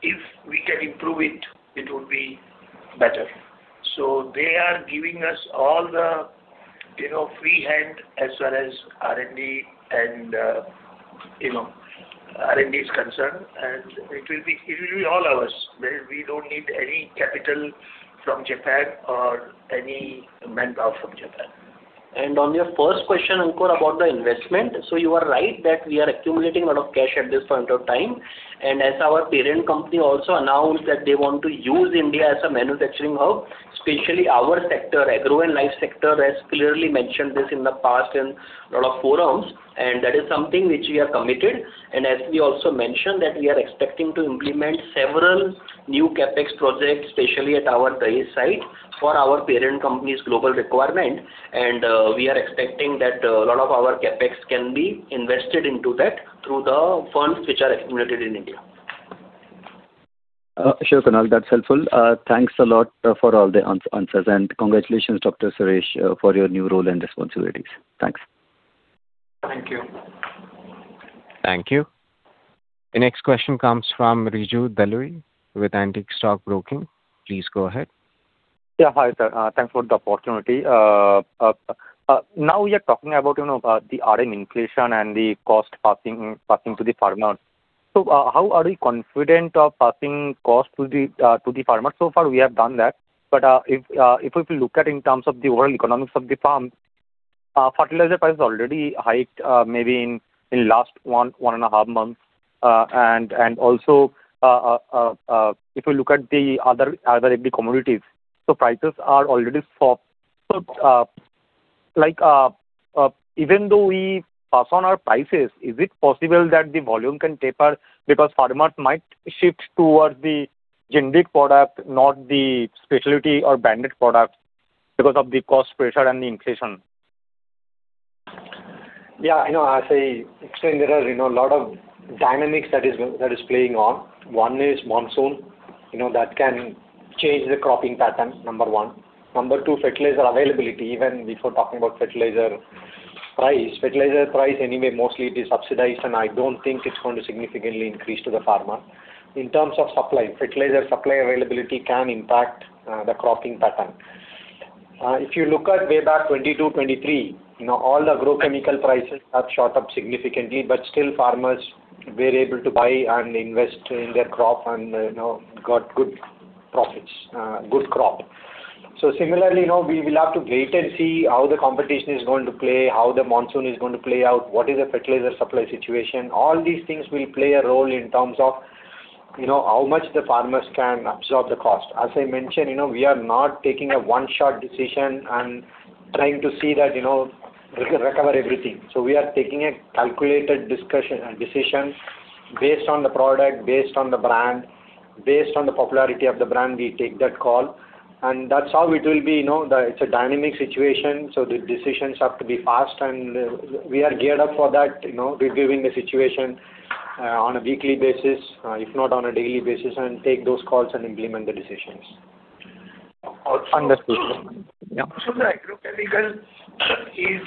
if we can improve it will be better. They are giving us all the free hand as far as R&D is concerned and it will be all ours. We don't need any capital from Japan or any manpower from Japan. On your first question, Ankur, about the investment. You are right that we are accumulating a lot of cash at this point of time. As our parent company also announced that they want to use India as a manufacturing hub, especially our sector, agro and life sector has clearly mentioned this in the past in a lot of forums and that is something which we have committed. As we also mentioned that we are expecting to implement several new CapEx projects, especially at our Dahej site for our parent company's global requirement. We are expecting that a lot of our CapEx can be invested into that through the funds which are accumulated in India. Sure, Kunal. That's helpful. Thanks a lot for all the answers and congratulations Dr. Suresh for your new role and responsibilities. Thanks. Thank you. Thank you. The next question comes from Riju Dalui with Antique Stock Broking. Please go ahead. Hi, sir. Thanks for the opportunity. We are talking about the raw material inflation and the cost passing to the farmer. How are we confident of passing cost to the farmer? So far we have done that, if we look at in terms of the overall economics of the farm, fertilizer price already hiked maybe in last one and a half months. Also if you look at the other ag commodities, prices are already soft. Even though we pass on our prices, is it possible that the volume can taper because farmers might shift towards the generic product, not the specialty or branded product because of the cost pressure and the inflation. Yeah. As I explained, there is a lot of dynamics that is playing on. One is monsoon, that can change the cropping pattern, number one. Number two, fertilizer availability. Even before talking about fertilizer price. Fertilizer price anyway mostly it is subsidized and I don't think it's going to significantly increase to the farmer. In terms of supply, fertilizer supply availability can impact the cropping pattern. If you look at way back 2022, 2023, all the agrochemical prices have shot up significantly but still farmers were able to buy and invest in their crop and got good crop. Similarly, we will have to wait and see how the competition is going to play, how the monsoon is going to play out, what is the fertilizer supply situation. All these things will play a role in terms of how much the farmers can absorb the cost. As I mentioned, we are not taking a one-shot decision and trying to see that recover everything. We are taking a calculated decision based on the product, based on the brand. Based on the popularity of the brand, we take that call, and that's how it will be. It's a dynamic situation, so the decisions have to be fast, and we are geared up for that. We're reviewing the situation on a weekly basis, if not on a daily basis, and take those calls and implement the decisions. Understood. The agrochemical is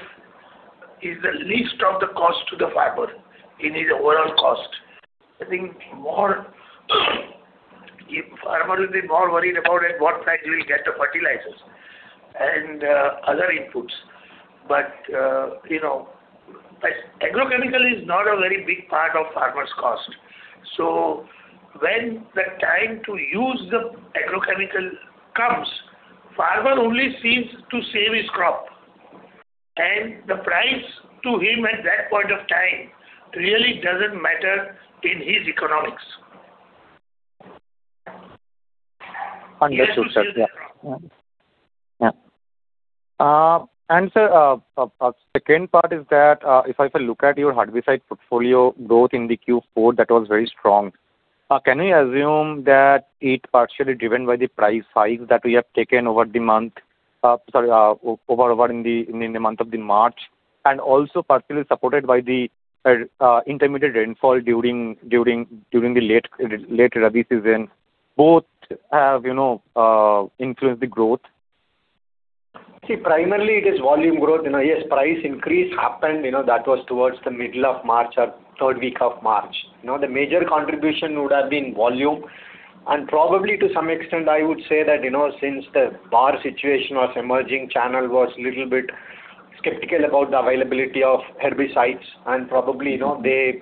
the least of the cost to the farmer in his overall cost. I think farmer will be more worried about at what price he will get the fertilizers and other inputs. Agrochemical is not a very big part of farmer's cost. When the time to use the agrochemical comes, farmer only sees to save his crop, and the price to him at that point of time really doesn't matter in his economics. Understood, sir. Sir, second part is that, if I look at your herbicide portfolio growth in the Q4, that was very strong. Can we assume that it partially driven by the price hike that we have taken over in the month of March, and also partially supported by the intermediate rainfall during the late rabi season, both have influenced the growth? Primarily it is volume growth. Yes, price increase happened, that was towards the middle of March or third week of March. The major contribution would have been volume, and probably to some extent, I would say that since the bar situation was emerging, channel was little bit skeptical about the availability of herbicides and probably, they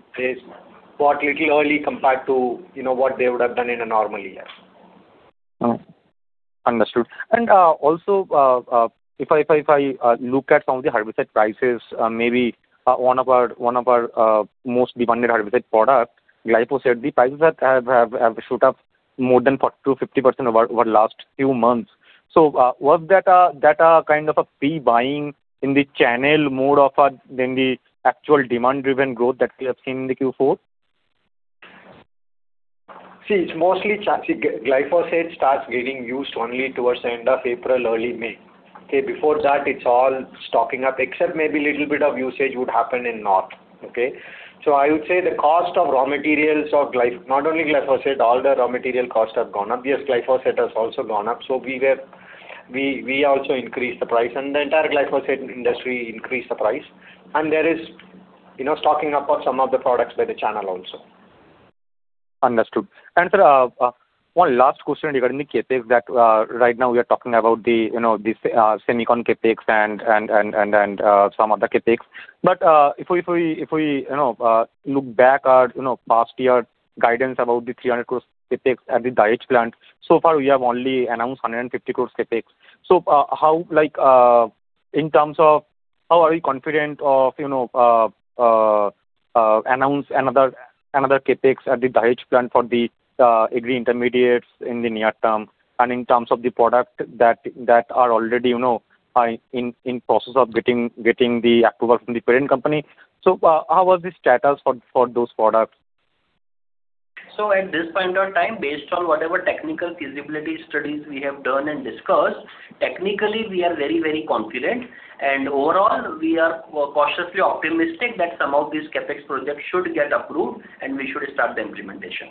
bought little early compared to what they would have done in a normal year. Understood. Also, if I look at some of the herbicide prices, maybe one of our most demanded herbicide product, glyphosate, the prices have shot up more than 40%-50% over last few months. Was that a kind of a pre-buying in the channel more of than the actual demand driven growth that we have seen in the Q4? It's mostly glyphosate starts getting used only towards the end of April, early May. Before that, it's all stocking up except maybe little bit of usage would happen in north. I would say the cost of raw materials of, not only glyphosate, all the raw material costs have gone up. Yes, glyphosate has also gone up, so we also increased the price, and the entire glyphosate industry increased the price. There is stocking up of some of the products by the channel also. Understood. Sir, one last question regarding the CapEx that right now we are talking about the semicon CapEx and some other CapEx. If we look back at past year guidance about the 300 crores CapEx at the Dahej plant, so far we have only announced 150 crores CapEx. In terms of how are you confident of announce another CapEx at the Dahej plant for the agri intermediates in the near term, and in terms of the product that are already in process of getting the approval from the parent company. How was the status for those products? At this point of time, based on whatever technical feasibility studies we have done and discussed, technically, we are very confident and overall, we are cautiously optimistic that some of these CapEx projects should get approved and we should start the implementation.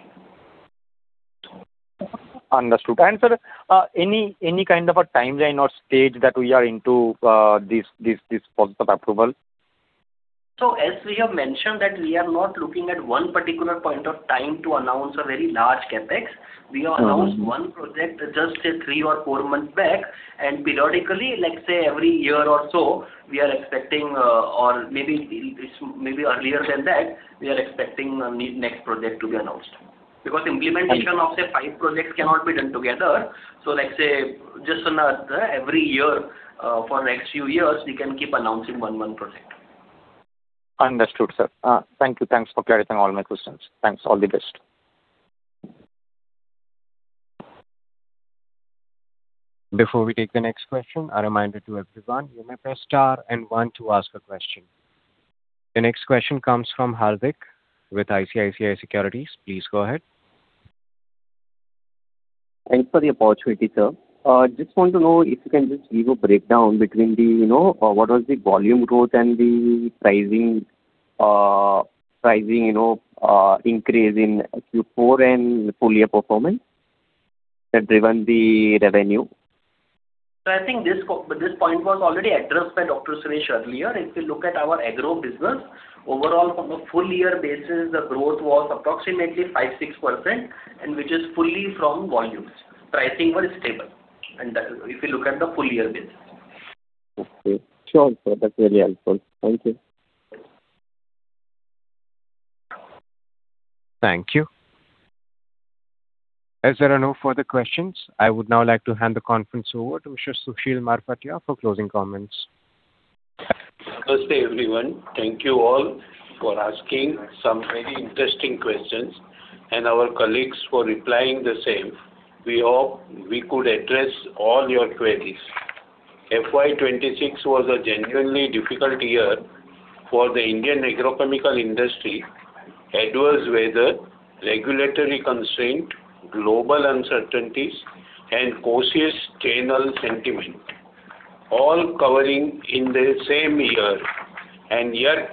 Understood. Sir, any kind of a timeline or stage that we are into this process of approval? As we have mentioned that we are not looking at one particular point of time to announce a very large CapEx. We announced one project just, say, three or four months back, and periodically, let's say every year or so, we are expecting or maybe earlier than that, we are expecting next project to be announced. Implementation of, say, five projects cannot be done together. Let's say, just on a every year for next few years, we can keep announcing one project. Understood, sir. Thank you. Thanks for clarifying all my questions. Thanks. All the best. Before we take the next question, a reminder to everyone, you may press star and one to ask a question. The next question comes from Hardik with ICICI Securities. Please go ahead. Thanks for the opportunity, sir. Just want to know if you can just give a breakdown between what was the volume growth and the pricing increase in Q4 and full year performance that driven the revenue? I think this point was already addressed by Dr. Suresh earlier. If you look at our agro business, overall from a full year basis, the growth was approximately 5-6%, and which is fully from volumes. Pricing was stable, and if you look at the full year basis. Okay, sure. That's very helpful. Thank you. Thank you. As there are no further questions, I would now like to hand the conference over to Mr. Sushil Marfatia for closing comments. Namaste, everyone. Thank you all for asking some very interesting questions, and our colleagues for replying the same. We hope we could address all your queries. FY 2026 was a generally difficult year for the Indian agrochemical industry. Adverse weather, regulatory constraint, global uncertainties, and cautious channel sentiment, all occurring in the same year. Yet,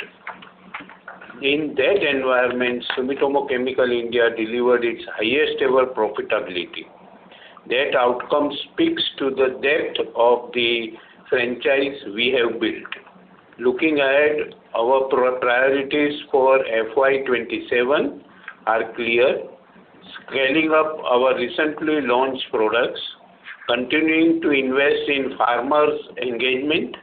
in that environment, Sumitomo Chemical India delivered its highest-ever profitability. That outcome speaks to the depth of the franchise we have built. Looking ahead, our priorities for FY 2027 are clear. Scaling up our recently launched products, continuing to invest in farmers' engagement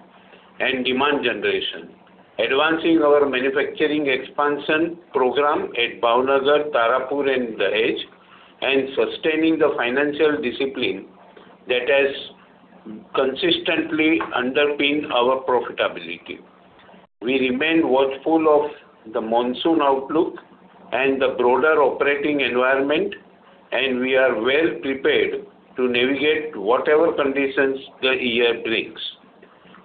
and demand generation, advancing our manufacturing expansion program at Bhavnagar, Tarapur, and Dahej, and sustaining the financial discipline that has consistently underpinned our profitability. We remain watchful of the monsoon outlook and the broader operating environment, and we are well prepared to navigate whatever conditions the year brings.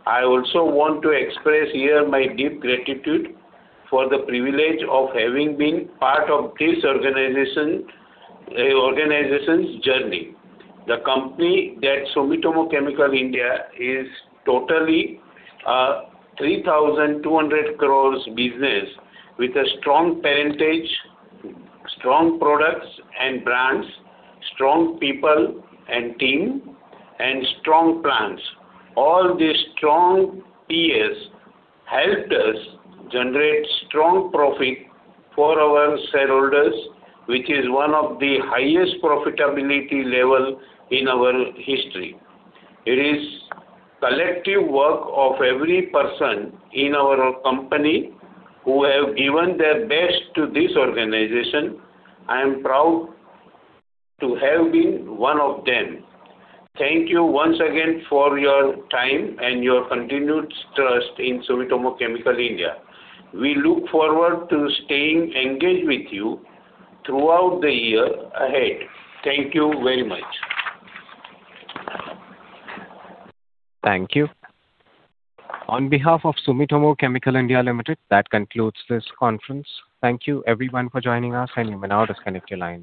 I also want to express here my deep gratitude for the privilege of having been part of this organization's journey. The company that Sumitomo Chemical India is totally a 3,200 crore business with a strong parentage, strong products and brands, strong people and team, and strong plans. All these strong Ps helped us generate strong profit for our shareholders, which is one of the highest profitability level in our history. It is collective work of every person in our company who have given their best to this organization. I am proud to have been one of them. Thank you once again for your time and your continued trust in Sumitomo Chemical India. We look forward to staying engaged with you throughout the year ahead. Thank you very much. Thank you. On behalf of Sumitomo Chemical India Limited, that concludes this conference. Thank you everyone for joining us, and you may now disconnect your lines.